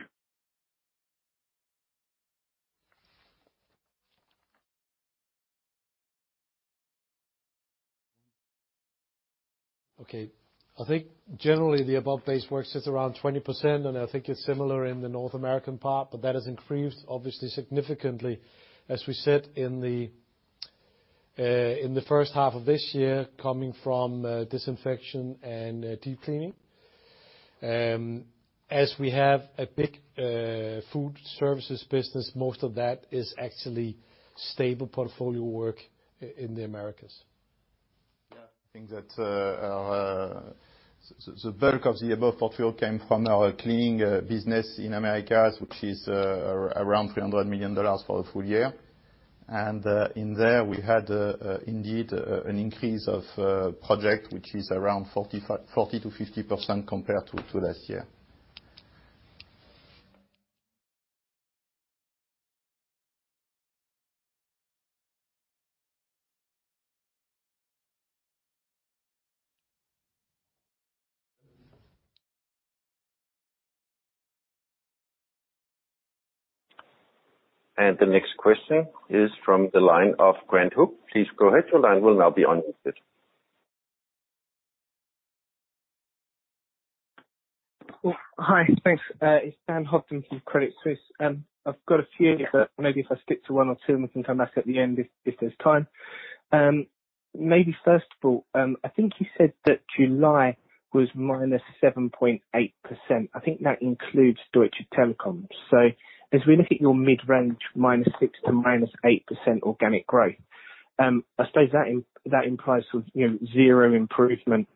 Okay. I think generally the above base work sits around 20%, and I think it is similar in the North American part, but that has increased obviously significantly, as we said, in the first half of this year coming from disinfection and deep cleaning. As we have a big food services business, most of that is actually stable portfolio work in the Americas. Yeah. I think that the bulk of the above-base portfolio came from our cleaning business in the Americas, which is around $300 million for the full year. And in there, we had indeed an increase in projects, which is around 40%-50% compared to last year. And the next question is from the line of Grant Hook. Please go ahead. Your line will now be unmuted. Hi. Thanks. It's Dan Hobden from Credit Suisse. I've got a few, but maybe if I skip to one or two, we can come back at the end if there's time. Maybe first of all, I think you said that July was -7.8%. I think that includes Deutsche Telekom. As we look at your mid-range, -6% to -8% organic growth, I suppose that implies zero improvement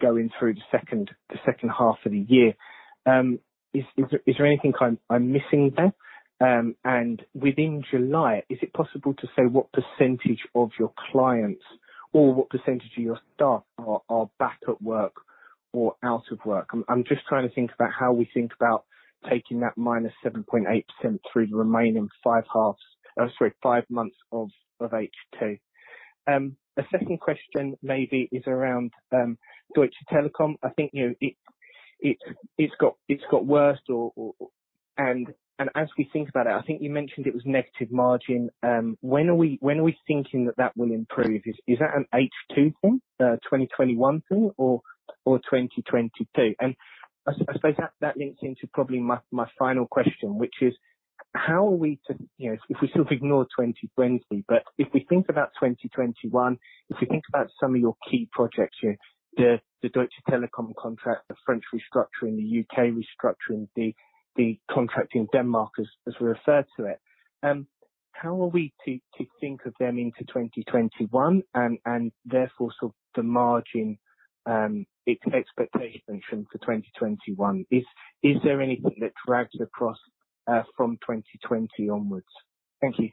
going through the second half of the year. Is there anything I'm missing there? And within July, is it possible to say what percentage of your clients or what percentage of your staff are back at work or out of work? I'm just trying to think about how we think about taking that -7.8% through the remaining five months of H2. A second question maybe is around Deutsche Telekom. I think it's got worse. And as we think about it, I think you mentioned it was negative margin. When are we thinking that that will improve? Is that an H2 thing, a 2021 thing, or 2022? And I suppose that links into probably my final question, which is how are we to if we sort of ignore 2020, but if we think about 2021, if we think about some of your key projects, the Deutsche Telekom contract, the French restructuring, the U.K. restructuring, the contracting in Denmark, as we refer to it, how are we to think of them into 2021 and therefore sort of the margin, its expectation for 2021? Is there anything that drags across from 2020 onwards? Thank you.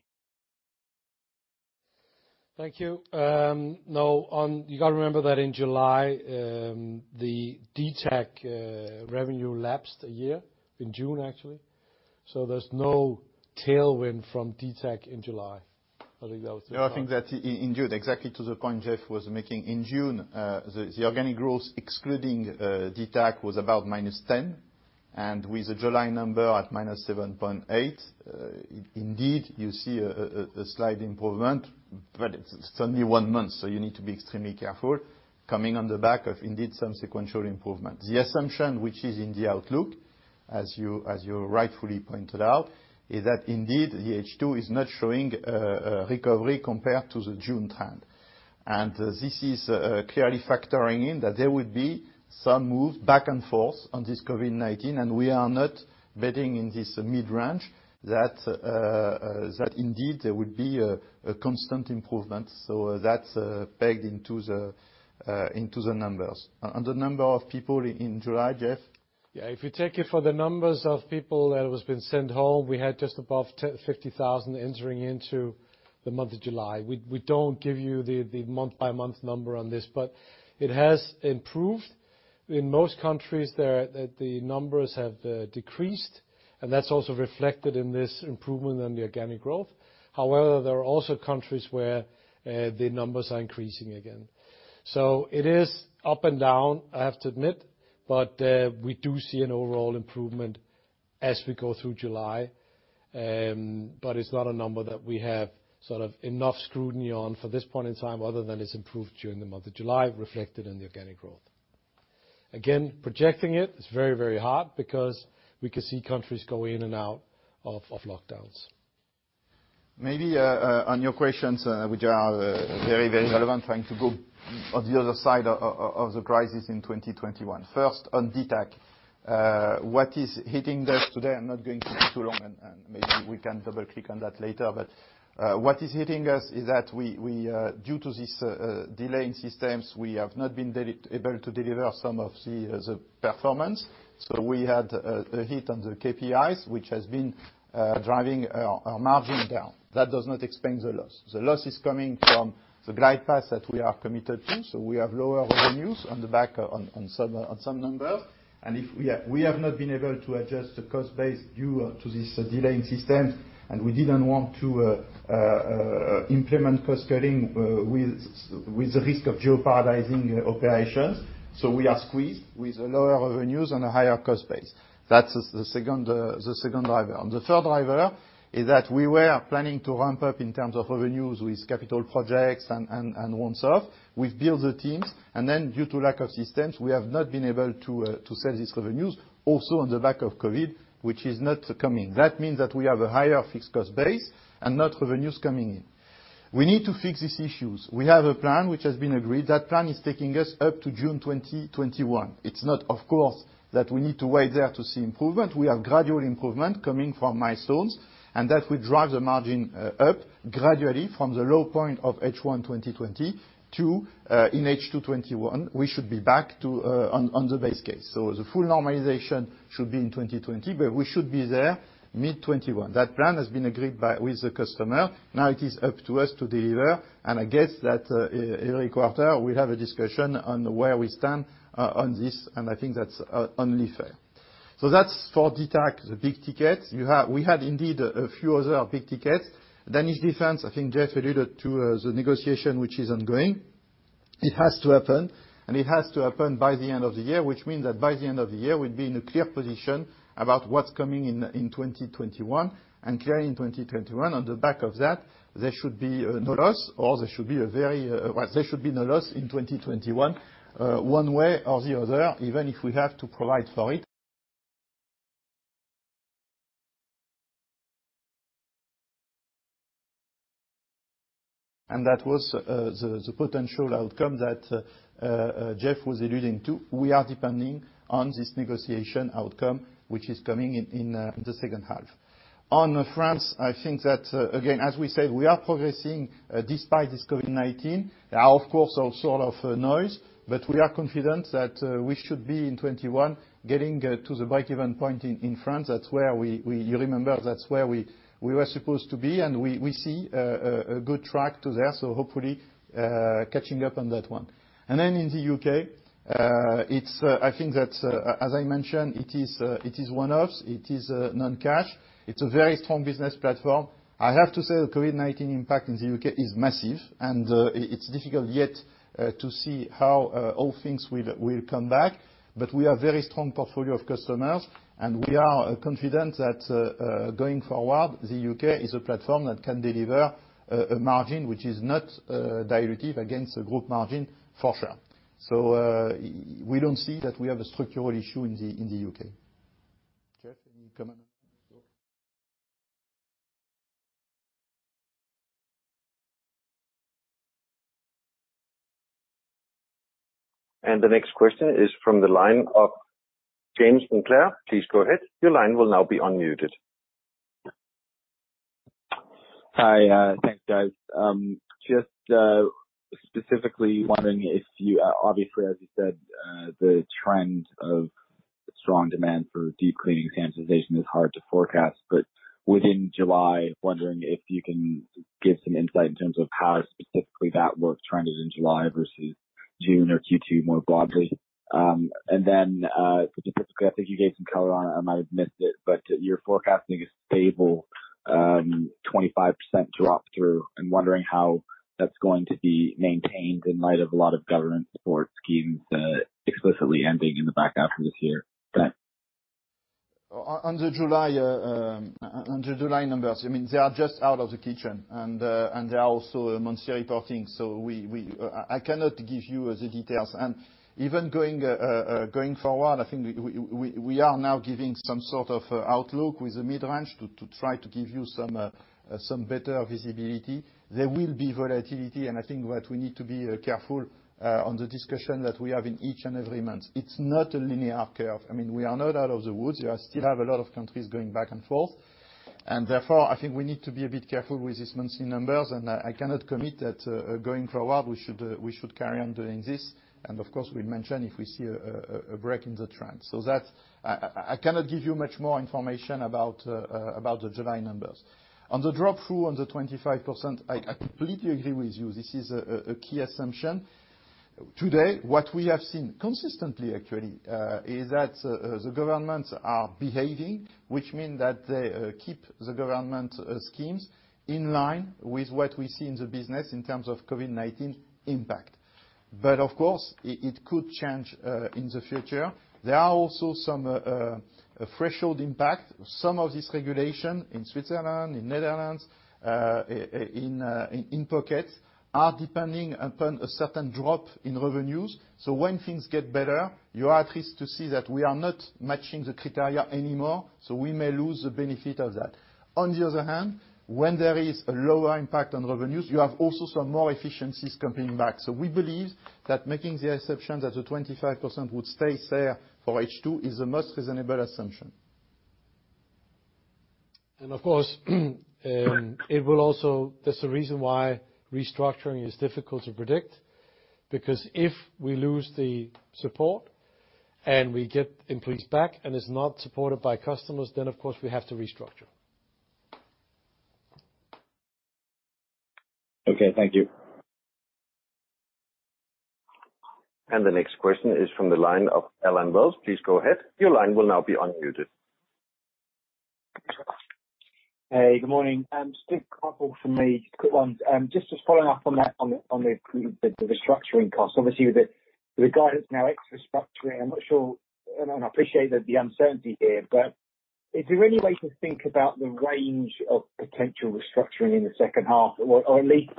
Thank you. No, you got to remember that in July, the DTAG revenue lapsed a year in June, actually. So there's no tailwind from DTAG in July. I think that was so far. No, I think that in June, exactly to the point Jeff was making, in June, the organic growth excluding DTAG was about -10%. With the July number at -7.8%, indeed, you see a slight improvement, but it's only one month, so you need to be extremely careful coming on the back of indeed some sequential improvements. The assumption, which is in the outlook, as you rightfully pointed out, is that indeed the H2 is not showing a recovery compared to the June trend. This is clearly factoring in that there would be some moves back and forth on this COVID-19, and we are not betting in this mid-range that indeed there would be a constant improvement. That's pegged into the numbers. On the number of people in July, Jeff? Yeah. If you take it for the numbers of people that have been sent home, we had just above 50,000 entering into the month of July. We don't give you the month-by-month number on this, but it has improved. In most countries, the numbers have decreased, and that's also reflected in this improvement in the organic growth. However, there are also countries where the numbers are increasing again, so it is up and down, I have to admit, but we do see an overall improvement as we go through July, but it's not a number that we have sort of enough scrutiny on for this point in time other than it's improved during the month of July, reflected in the organic growth. Again, projecting it, it's very, very hard because we can see countries go in and out of lockdowns. Maybe on your questions, which are very, very relevant, trying to go on the other side of the crisis in 2021. First, on DTAG, what is hitting us today? I'm not going to be too long, and maybe we can double-click on that later. But what is hitting us is that due to this delay in systems, we have not been able to deliver some of the performance. So we had a hit on the KPIs, which has been driving our margin down. That does not explain the loss. The loss is coming from the glide path that we are committed to. So we have lower revenues on the back of some numbers. And we have not been able to adjust the cost base due to this delay in systems, and we didn't want to implement cost cutting with the risk of jeopardizing operations. So we are squeezed with lower revenues and a higher cost base. That's the second driver. The third driver is that we were planning to ramp up in terms of revenues with capital projects and one-offs. We've built the teams, and then due to lack of systems, we have not been able to sell these revenues, also on the back of COVID, which is not coming. That means that we have a higher fixed cost base and not revenues coming in. We need to fix these issues. We have a plan which has been agreed. That plan is taking us up to June 2021. It's not, of course, that we need to wait there to see improvement. We have gradual improvement coming from milestones, and that would drive the margin up gradually from the low point of H1 2020 to in H2 2021. We should be back on the base case. So the full normalization should be in 2020, but we should be there mid-2021. That plan has been agreed with the customer. Now it is up to us to deliver, and I guess that every quarter we'll have a discussion on where we stand on this, and I think that's only fair. So that's for DTAG, the big tickets. We had indeed a few other big tickets. Danish Defence, I think Jeff alluded to the negotiation, which is ongoing. It has to happen, and it has to happen by the end of the year, which means that by the end of the year, we'd be in a clear position about what's coming in 2021 and clearing in 2021. On the back of that, there should be no loss in 2021 one way or the other, even if we have to provide for it, and that was the potential outcome that Jeff was alluding to. We are depending on this negotiation outcome, which is coming in the second half. On France, I think that, again, as we said, we are progressing despite this COVID-19. There are, of course, all sorts of noise, but we are confident that we should be in 2021 getting to the break-even point in France. You remember that's where we were supposed to be, and we see a good track to there, so hopefully catching up on that one. And then in the U.K., I think that, as I mentioned, it is one-offs. It is non-cash. It's a very strong business platform. I have to say the COVID-19 impact in the U.K. is massive, and it's difficult yet to see how all things will come back. But we have a very strong portfolio of customers, and we are confident that going forward, the U.K. is a platform that can deliver a margin which is not dilutive against a group margin for sure. So we don't see that we have a structural issue in the U.K. Jeff, any comment on that? And the next question is from the line of James Winckler. Please go ahead. Your line will now be unmuted. Hi. Thanks, guys. Just specifically wondering if you obviously, as you said, the trend of strong demand for deep cleaning sanitization is hard to forecast, but within July, wondering if you can give some insight in terms of how specifically that work trended in July versus June or Q2 more broadly. And then specifically, I think you gave some color on it, and I might have missed it, but you're forecasting a stable 25% drop-through. I'm wondering how that's going to be maintained in light of a lot of government support schemes explicitly ending in the back half of this year. Thanks. Our July numbers, I mean, they are just out this week, and they are also monthly reporting. So I cannot give you the details, and even going forward, I think we are now giving some sort of outlook with the mid-range to try to give you some better visibility. There will be volatility, and I think that we need to be careful on the discussion that we have in each and every month. It's not a linear curve. I mean, we are not out of the woods. You still have a lot of countries going back and forth. And therefore, I think we need to be a bit careful with these monthly numbers, and I cannot commit that going forward, we should carry on doing this, and of course we mentioned if we see a break in the trend, so I cannot give you much more information about the July numbers. On the drop-through on the 25%, I completely agree with you. This is a key assumption. Today, what we have seen consistently, actually, is that the governments are behaving, which means that they keep the government schemes in line with what we see in the business in terms of COVID-19 impact, but of course it could change in the future. There are also some threshold impacts. Some of this regulation in Switzerland, in Netherlands, in Poland are depending upon a certain drop in revenues. So when things get better, you are at risk to see that we are not matching the criteria anymore, so we may lose the benefit of that. On the other hand, when there is a lower impact on revenues, you have also some more efficiencies coming back. So we believe that making the assumption that the 25% would stay the same for H2 is the most reasonable assumption. And of course, it will also, that's the reason why restructuring is difficult to predict, because if we lose the support and we get employees back and it's not supported by customers, then of course, we have to restructure. Okay. Thank you. And the next question is from the line of Allen Wells. Please go ahead. Your line will now be unmuted. Hey, good morning. Just a couple for me, quick ones. Just following up on the restructuring costs. Obviously, with the guidance now, extra structuring, I'm not sure, and I appreciate the uncertainty here, but is there any way to think about the range of potential restructuring in the second half, or at least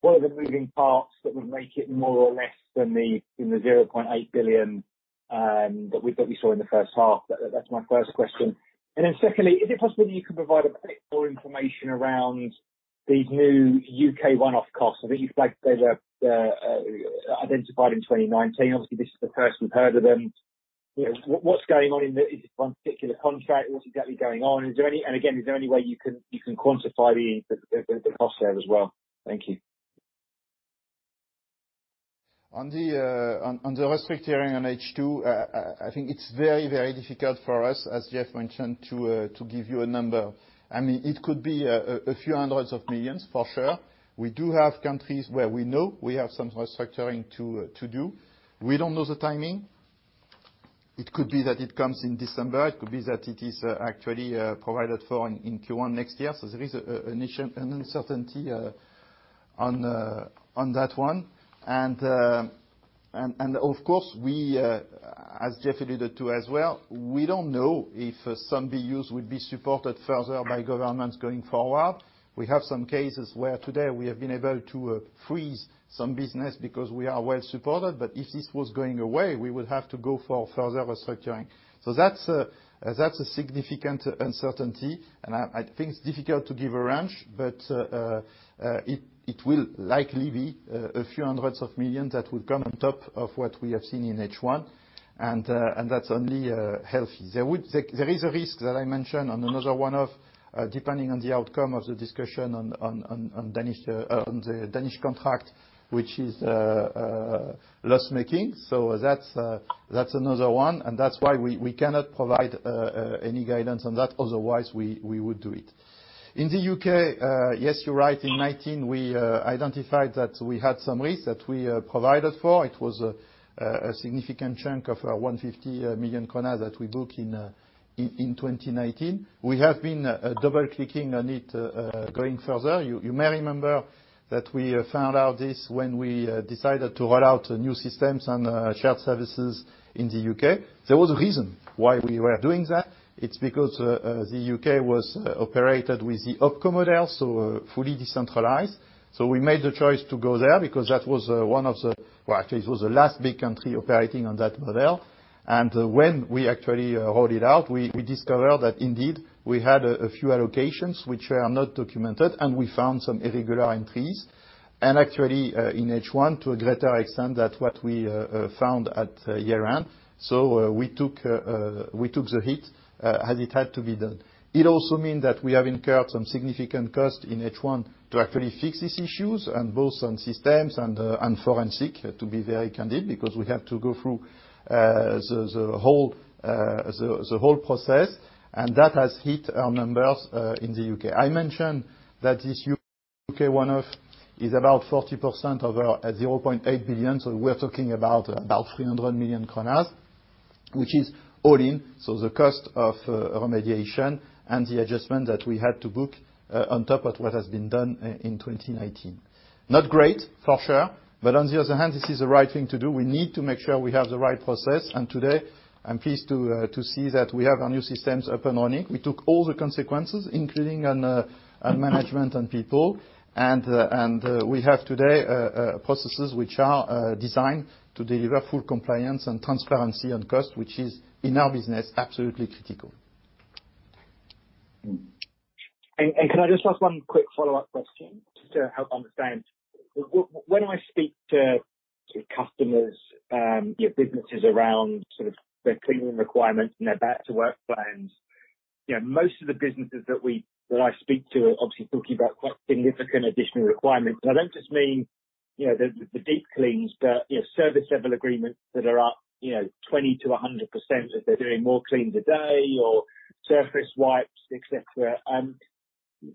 what are the moving parts that would make it more or less than the 0.8 billion that we saw in the first half? That's my first question. And then secondly, is it possible that you can provide a bit more information around these new U.K. one-off costs? I think you flagged they were identified in 2019. Obviously, this is the first we've heard of them. What's going on in this one particular contract? What's exactly going on? And again, is there any way you can quantify the cost there as well? Thank you. On the restructuring on H2, I think it's very, very difficult for us, as Jeff mentioned, to give you a number. I mean, it could be a few hundreds of millions for sure. We do have countries where we know we have some restructuring to do. We don't know the timing. It could be that it comes in December. It could be that it is actually provided for in Q1 next year. So there is an uncertainty on that one. And of course, as Jeff alluded to as well, we don't know if some BUs would be supported further by governments going forward. We have some cases where today we have been able to freeze some business because we are well supported. But if this was going away, we would have to go for further restructuring. So that's a significant uncertainty. I think it's difficult to give a range, but it will likely be a few hundreds of millions that would come on top of what we have seen in H1. And that's only healthy. There is a risk that I mentioned on another one-off, depending on the outcome of the discussion on the Danish contract, which is loss-making. So that's another one. And that's why we cannot provide any guidance on that. Otherwise, we would do it. In the U.K., yes, you're right. In 2019, we identified that we had some risks that we provided for. It was a significant chunk of 150 million kroner that we booked in 2019. We have been double-clicking on it going further. You may remember that we found out this when we decided to roll out new systems and shared services in the U.K. There was a reason why we were doing that. It's because the U.K. was operated with the OpCo model, so fully decentralized, so we made the choice to go there because that was one of the, well, actually, it was the last big country operating on that model, and when we actually rolled it out, we discovered that indeed we had a few allocations which were not documented, and we found some irregular entries, and actually, in H1, to a greater extent, that's what we found at year-end, so we took the hit as it had to be done. It also means that we have incurred some significant cost in H1 to actually fix these issues, both on systems and forensic, to be very candid, because we had to go through the whole process, and that has hit our numbers in the U.K. I mentioned that this U.K. one-off is about 40% of our 0.8 billion. So we're talking about 300 million kroner, which is all in. So the cost of remediation and the adjustment that we had to book on top of what has been done in 2019. Not great for sure, but on the other hand, this is the right thing to do. We need to make sure we have the right process. And today, I'm pleased to see that we have our new systems up and running. We took all the consequences, including on management and people. And we have today processes which are designed to deliver full compliance and transparency on cost, which is, in our business, absolutely critical. And can I just ask one quick follow-up question to help understand? When I speak to customers, businesses around sort of their cleaning requirements and their back-to-work plans, most of the businesses that I speak to are obviously talking about quite significant additional requirements. And I don't just mean the deep cleans, but service-level agreements that are up 20%-100% if they're doing more cleans a day or surface wipes, etc.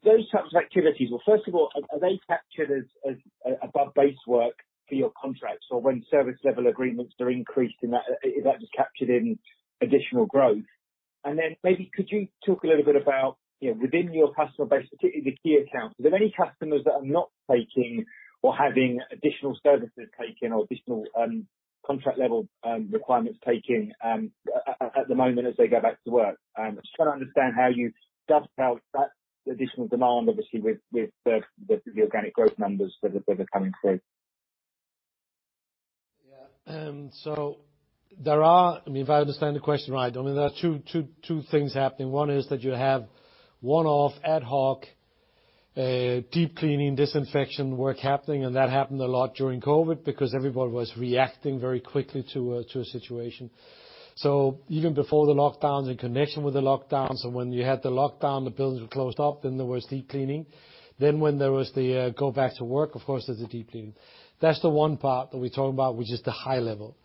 Those types of activities, well, first of all, are they captured as above base work for your contracts? Or when service-level agreements are increased, is that just captured in additional growth? And then maybe could you talk a little bit about within your customer base, particularly the key accounts, are there any customers that are not taking or having additional services taken or additional contract-level requirements taken at the moment as they go back to work? Just trying to understand how you dovetail that additional demand, obviously, with the organic growth numbers that are coming through. Yeah, so there are, I mean, if I understand the question right, I mean, there are two things happening. One is that you have one-off ad hoc deep cleaning disinfection work happening, and that happened a lot during COVID because everybody was reacting very quickly to a situation, so even before the lockdowns and connection with the lockdowns, so when you had the lockdown, the buildings were closed up, then there was deep cleaning. Then when there was the go back to work, of course, there's a deep cleaning. That's the one part that we're talking about, which is the high level.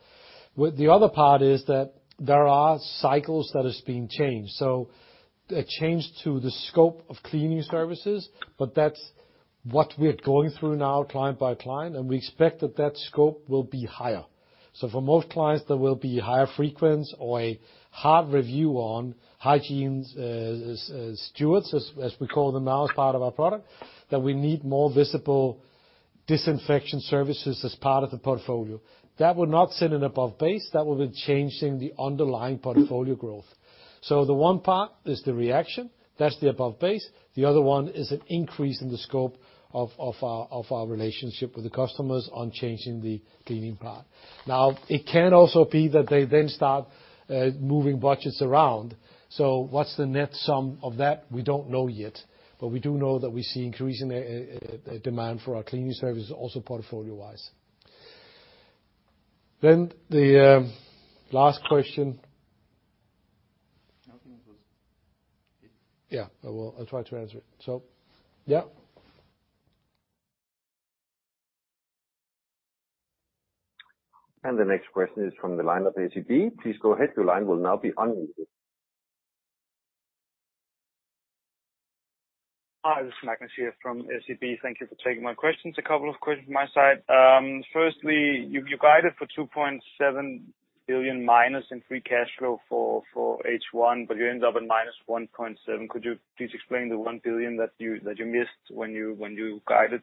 The other part is that there are cycles that have been changed. So a change to the scope of cleaning services, but that's what we're going through now, client by client, and we expect that that scope will be higher. So for most clients, there will be a higher frequency or a hard review on hygiene stewards, as we call them now, as part of our product, that we need more visible disinfection services as part of the portfolio. That will not sit in above base. That will be changing the underlying portfolio growth. So the one part is the reaction. That's the above base. The other one is an increase in the scope of our relationship with the customers on changing the cleaning part. Now, it can also be that they then start moving budgets around. So what's the net sum of that? We don't know yet. But we do know that we see increasing demand for our cleaning services, also portfolio-wise. Then the last question. Yeah. I'll try to answer it. So yeah. The next question is from the line of SEB. Please go ahead. Your line will now be unmuted. Hi. This is Magnus here from SEB. Thank you for taking my questions. A couple of questions from my side. Firstly, you guided for 2.7 billion minus in free cash flow for H1, but you ended up at -1.7 billion. Could you please explain the 1 billion that you missed when you guided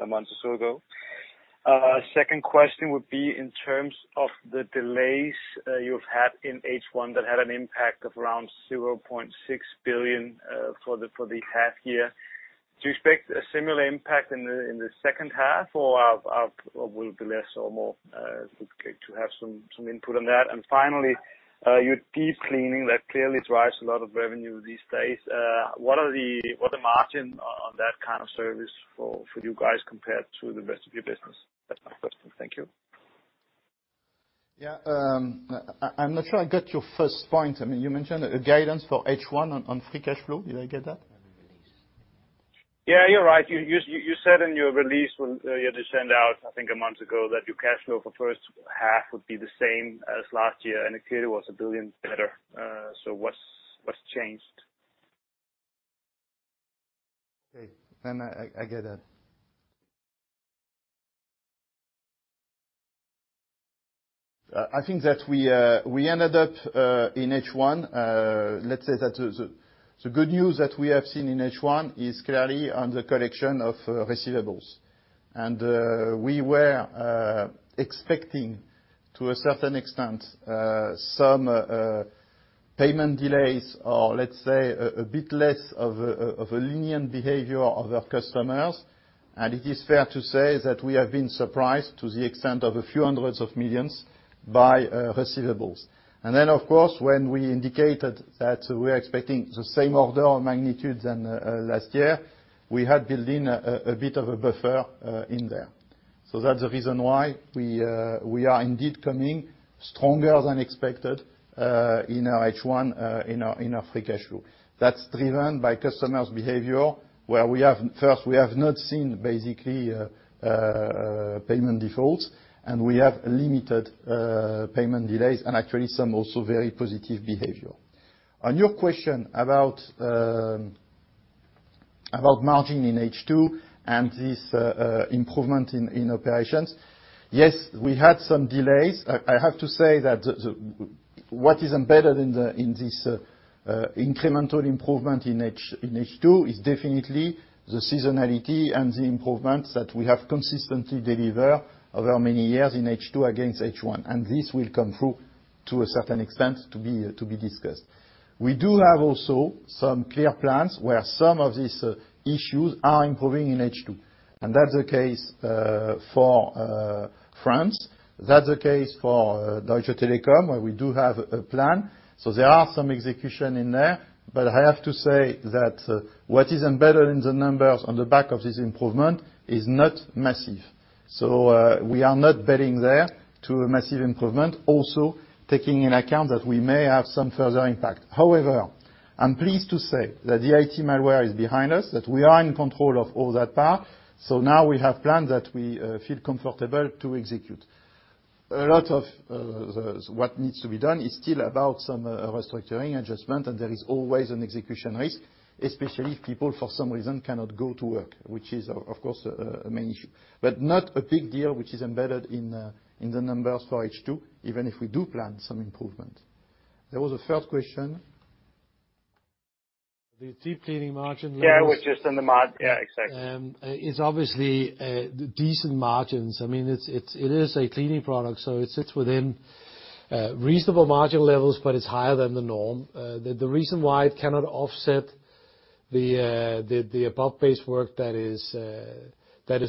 a month or so ago? Second question would be in terms of the delays you've had in H1 that had an impact of around 0.6 billion for the half year. Do you expect a similar impact in the second half, or will it be less or more? To have some input on that. And finally, your deep cleaning, that clearly drives a lot of revenue these days. What are the margins on that kind of service for you guys compared to the rest of your business? That's my question. Thank you. Yeah. I'm not sure I got your first point. I mean, you mentioned a guidance for H1 on free cash flow. Did I get that? Yeah. You're right. You said in your release when you had to send out, I think, a month ago that your cash flow for first half would be the same as last year, and it clearly was 1 billion better. So what's changed? Okay. Then I get that. I think that we ended up in H1. Let's say that the good news that we have seen in H1 is clearly on the collection of receivables. And we were expecting, to a certain extent, some payment delays or, let's say, a bit less of a lenient behavior of our customers. And it is fair to say that we have been surprised to the extent of a few hundreds of millions by receivables. And then, of course, when we indicated that we're expecting the same order of magnitude than last year, we had built in a bit of a buffer in there. So that's the reason why we are indeed coming stronger than expected in our H1, in our free cash flow. That's driven by customers' behavior, where first, we have not seen basically payment defaults, and we have limited payment delays, and actually some also very positive behavior. On your question about margin in H2 and this improvement in operations, yes, we had some delays. I have to say that what is embedded in this incremental improvement in H2 is definitely the seasonality and the improvements that we have consistently delivered over many years in H2 against H1. This will come through to a certain extent to be discussed. We do have also some clear plans where some of these issues are improving in H2. That's the case for France. That's the case for Deutsche Telekom, where we do have a plan. So there are some execution in there. I have to say that what is embedded in the numbers on the back of this improvement is not massive. We are not betting there to a massive improvement, also taking into account that we may have some further impact. However, I'm pleased to say that the IT malware is behind us, that we are in control of all that part. So now we have plans that we feel comfortable to execute. A lot of what needs to be done is still about some restructuring adjustment, and there is always an execution risk, especially if people, for some reason, cannot go to work, which is, of course, a main issue. But not a big deal, which is embedded in the numbers for H2, even if we do plan some improvement. There was a third question. The deep cleaning margin levels. Yeah. It was just on the margin. Yeah. Exactly. It's obviously decent margins. I mean, it is a cleaning product, so it sits within reasonable margin levels, but it's higher than the norm. The reason why it cannot offset the above base work that is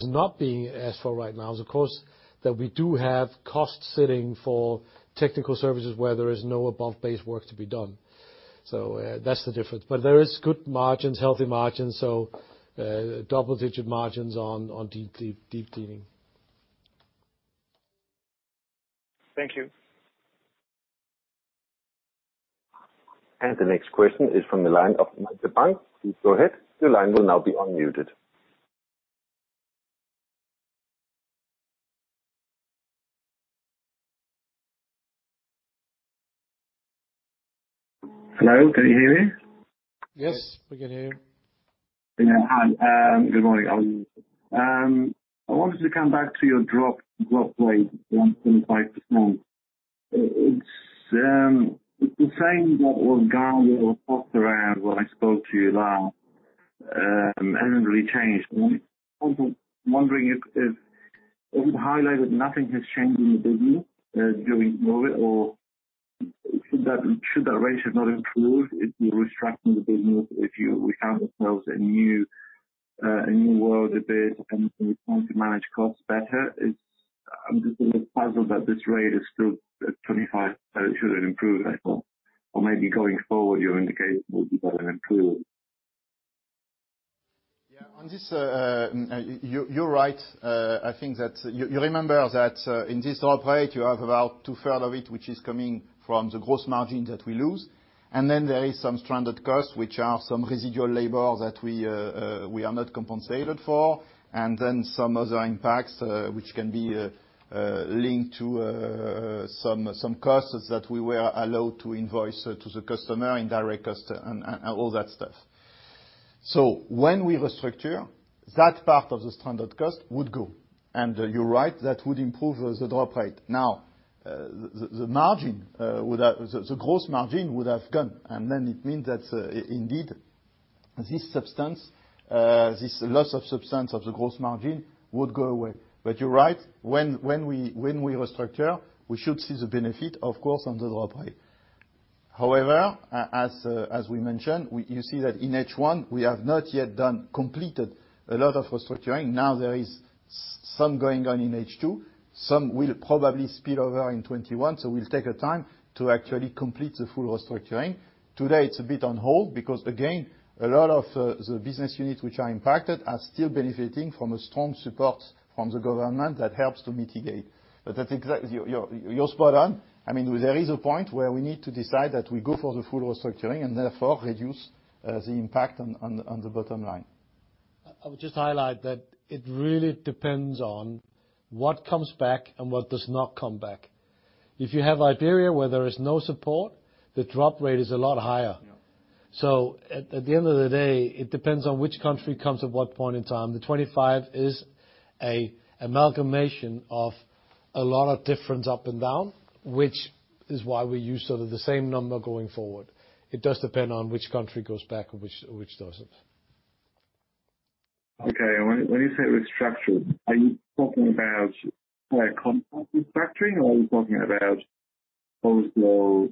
not being asked for right now is, of course, that we do have costs sitting for technical services where there is no above base work to be done. So that's the difference. But there is good margins, healthy margins, so double-digit margins on deep cleaning. Thank you. And the next question is from the line of Magnus Behm. Please go ahead. Your line will now be unmuted. Hello. Can you hear me? Yes. We can hear you. Good morning. I wanted to come back to your drop rate of 25%. It's the same that was going around when I spoke to you last. It hasn't really changed. I'm wondering if it highlighted nothing has changed in the business during COVID, or should that rate have not improved if you're restructuring the business, if you found yourselves in a new world a bit and you're trying to manage costs better? I'm just a bit puzzled that this rate is still at 25%. It shouldn't improve at all. Or maybe going forward, your indicators will be better than improved. Yeah. You're right. I think that you remember that in this drop rate, you have about 2/3 of it, which is coming from the gross margin that we lose. And then there is some stranded costs, which are some residual labor that we are not compensated for, and then some other impacts which can be linked to some costs that we were allowed to invoice to the customer in direct cost and all that stuff. So when we restructure, that part of the stranded cost would go. And you're right. That would improve the drop rate. Now, the gross margin would have gone. And then it means that indeed this substance, this loss of substance of the gross margin would go away. But you're right. When we restructure, we should see the benefit, of course, on the drop rate. However, as we mentioned, you see that in H1, we have not yet completed a lot of restructuring. Now there is some going on in H2. Some will probably spill over in 2021. So we'll take the time to actually complete the full restructuring. Today, it's a bit on hold because, again, a lot of the business units which are impacted are still benefiting from a strong support from the government that helps to mitigate. But you're spot on. I mean, there is a point where we need to decide that we go for the full restructuring and therefore reduce the impact on the bottom line. I would just highlight that it really depends on what comes back and what does not come back. If you have Iberia, where there is no support, the drop rate is a lot higher. So at the end of the day, it depends on which country comes at what point in time. The 25% is an amalgamation of a lot of difference up and down, which is why we use sort of the same number going forward. It does depend on which country goes back and which doesn't. Okay. When you say restructure, are you talking about complex restructuring, or are you talking about overflow,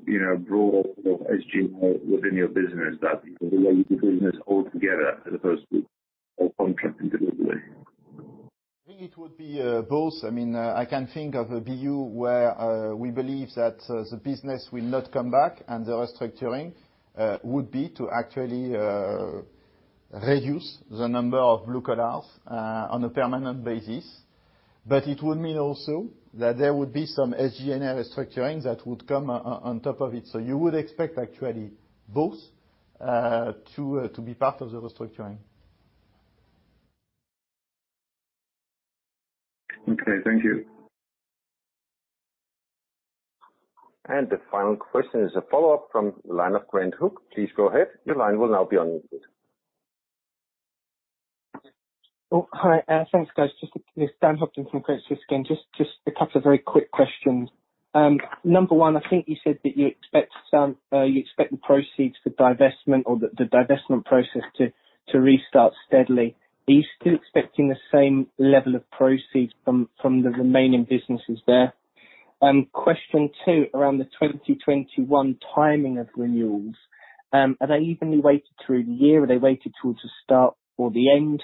broad SG&A within your business that will delay the business altogether in the first week of contract and delivery. I think it would be both. I mean, I can think of a BU where we believe that the business will not come back, and the restructuring would be to actually reduce the number of blue collars on a permanent basis. But it would mean also that there would be some SG&A restructuring that would come on top of it. So you would expect actually both to be part of the restructuring. Okay. Thank you. And the final question is a follow-up from the line of Grant Hook. Please go ahead. Your line will now be unmuted. Hi. Thanks, guys. It's Dan Hobden from Credit Suisse again. Just a couple of very quick questions. Number one, I think you said that you expect the proceeds for divestment or the divestment process to restart steadily. Are you still expecting the same level of proceeds from the remaining businesses there? Question two, around the 2021 timing of renewals, are they evenly weighted through the year? Are they weighted towards the start or the end?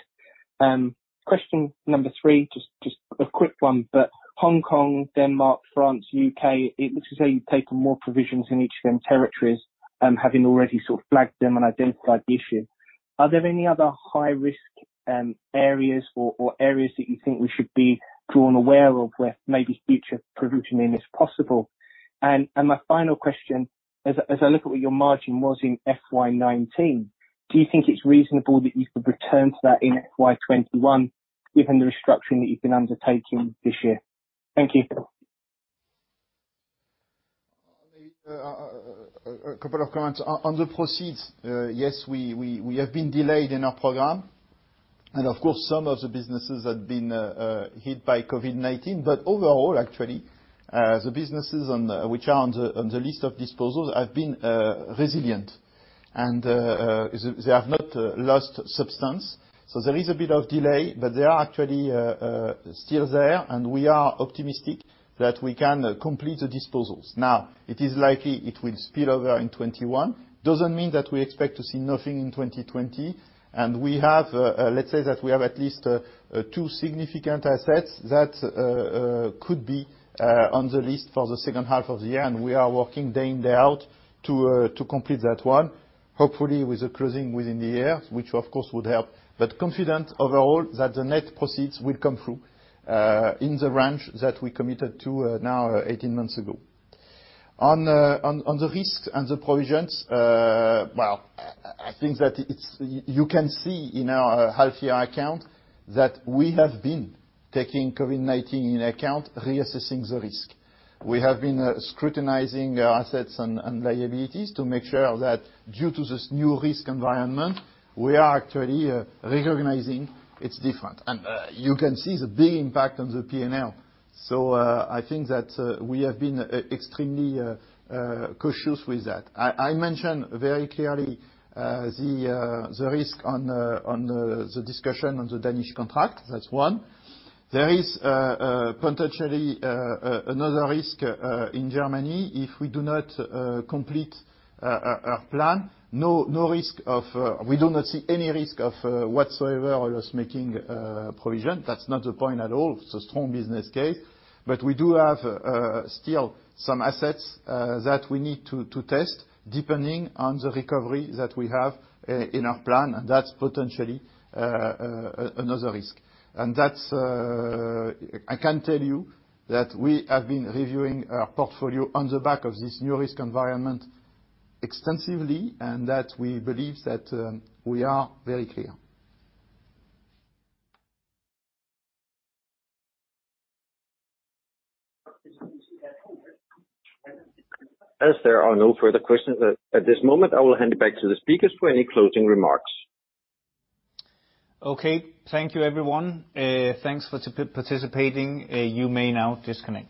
Question number three, just a quick one, but Hong Kong, Denmark, France, U.K., it looks as though you've taken more provisions in each of these territories, having already sort of flagged them and identified the issue. Are there any other high-risk areas or areas that you think we should be aware of where maybe future provisioning is possible? And my final question, as I look at what your margin was in FY 2019, do you think it's reasonable that you could return to that in FY 2021 given the restructuring that you've been undertaking this year? Thank you. A couple of comments. On the proceeds, yes, we have been delayed in our program. And of course, some of the businesses have been hit by COVID-19. But overall, actually, the businesses which are on the list of disposals have been resilient, and they have not lost substance. So there is a bit of delay, but they are actually still there, and we are optimistic that we can complete the disposals. Now, it is likely it will spill over in 2021. It doesn't mean that we expect to see nothing in 2020. And we have, let's say, that we have at least two significant assets that could be on the list for the second half of the year, and we are working day in, day out to complete that one, hopefully with a closing within the year, which, of course, would help. But confident overall that the net proceeds will come through in the range that we committed to now 18 months ago. On the risks and the provisions, well, I think that you can see in our half-year account that we have been taking COVID-19 into account, reassessing the risk. We have been scrutinizing our assets and liabilities to make sure that due to this new risk environment, we are actually recognizing it's different, and you can see the big impact on the P&L, so I think that we have been extremely cautious with that. I mentioned very clearly the risk in the discussion on the Danish contract. That's one. There is potentially another risk in Germany if we do not complete our plan. No risk if we do not see any risk whatsoever or loss-making provision. That's not the point at all. It's a strong business case, but we do have still some assets that we need to test, depending on the recovery that we have in our plan. And that's potentially another risk. And I can tell you that we have been reviewing our portfolio on the back of this new risk environment extensively and that we believe that we are very clear. As there are no further questions at this moment, I will hand it back to the speakers for any closing remarks. Okay. Thank you, everyone. Thanks for participating. You may now disconnect.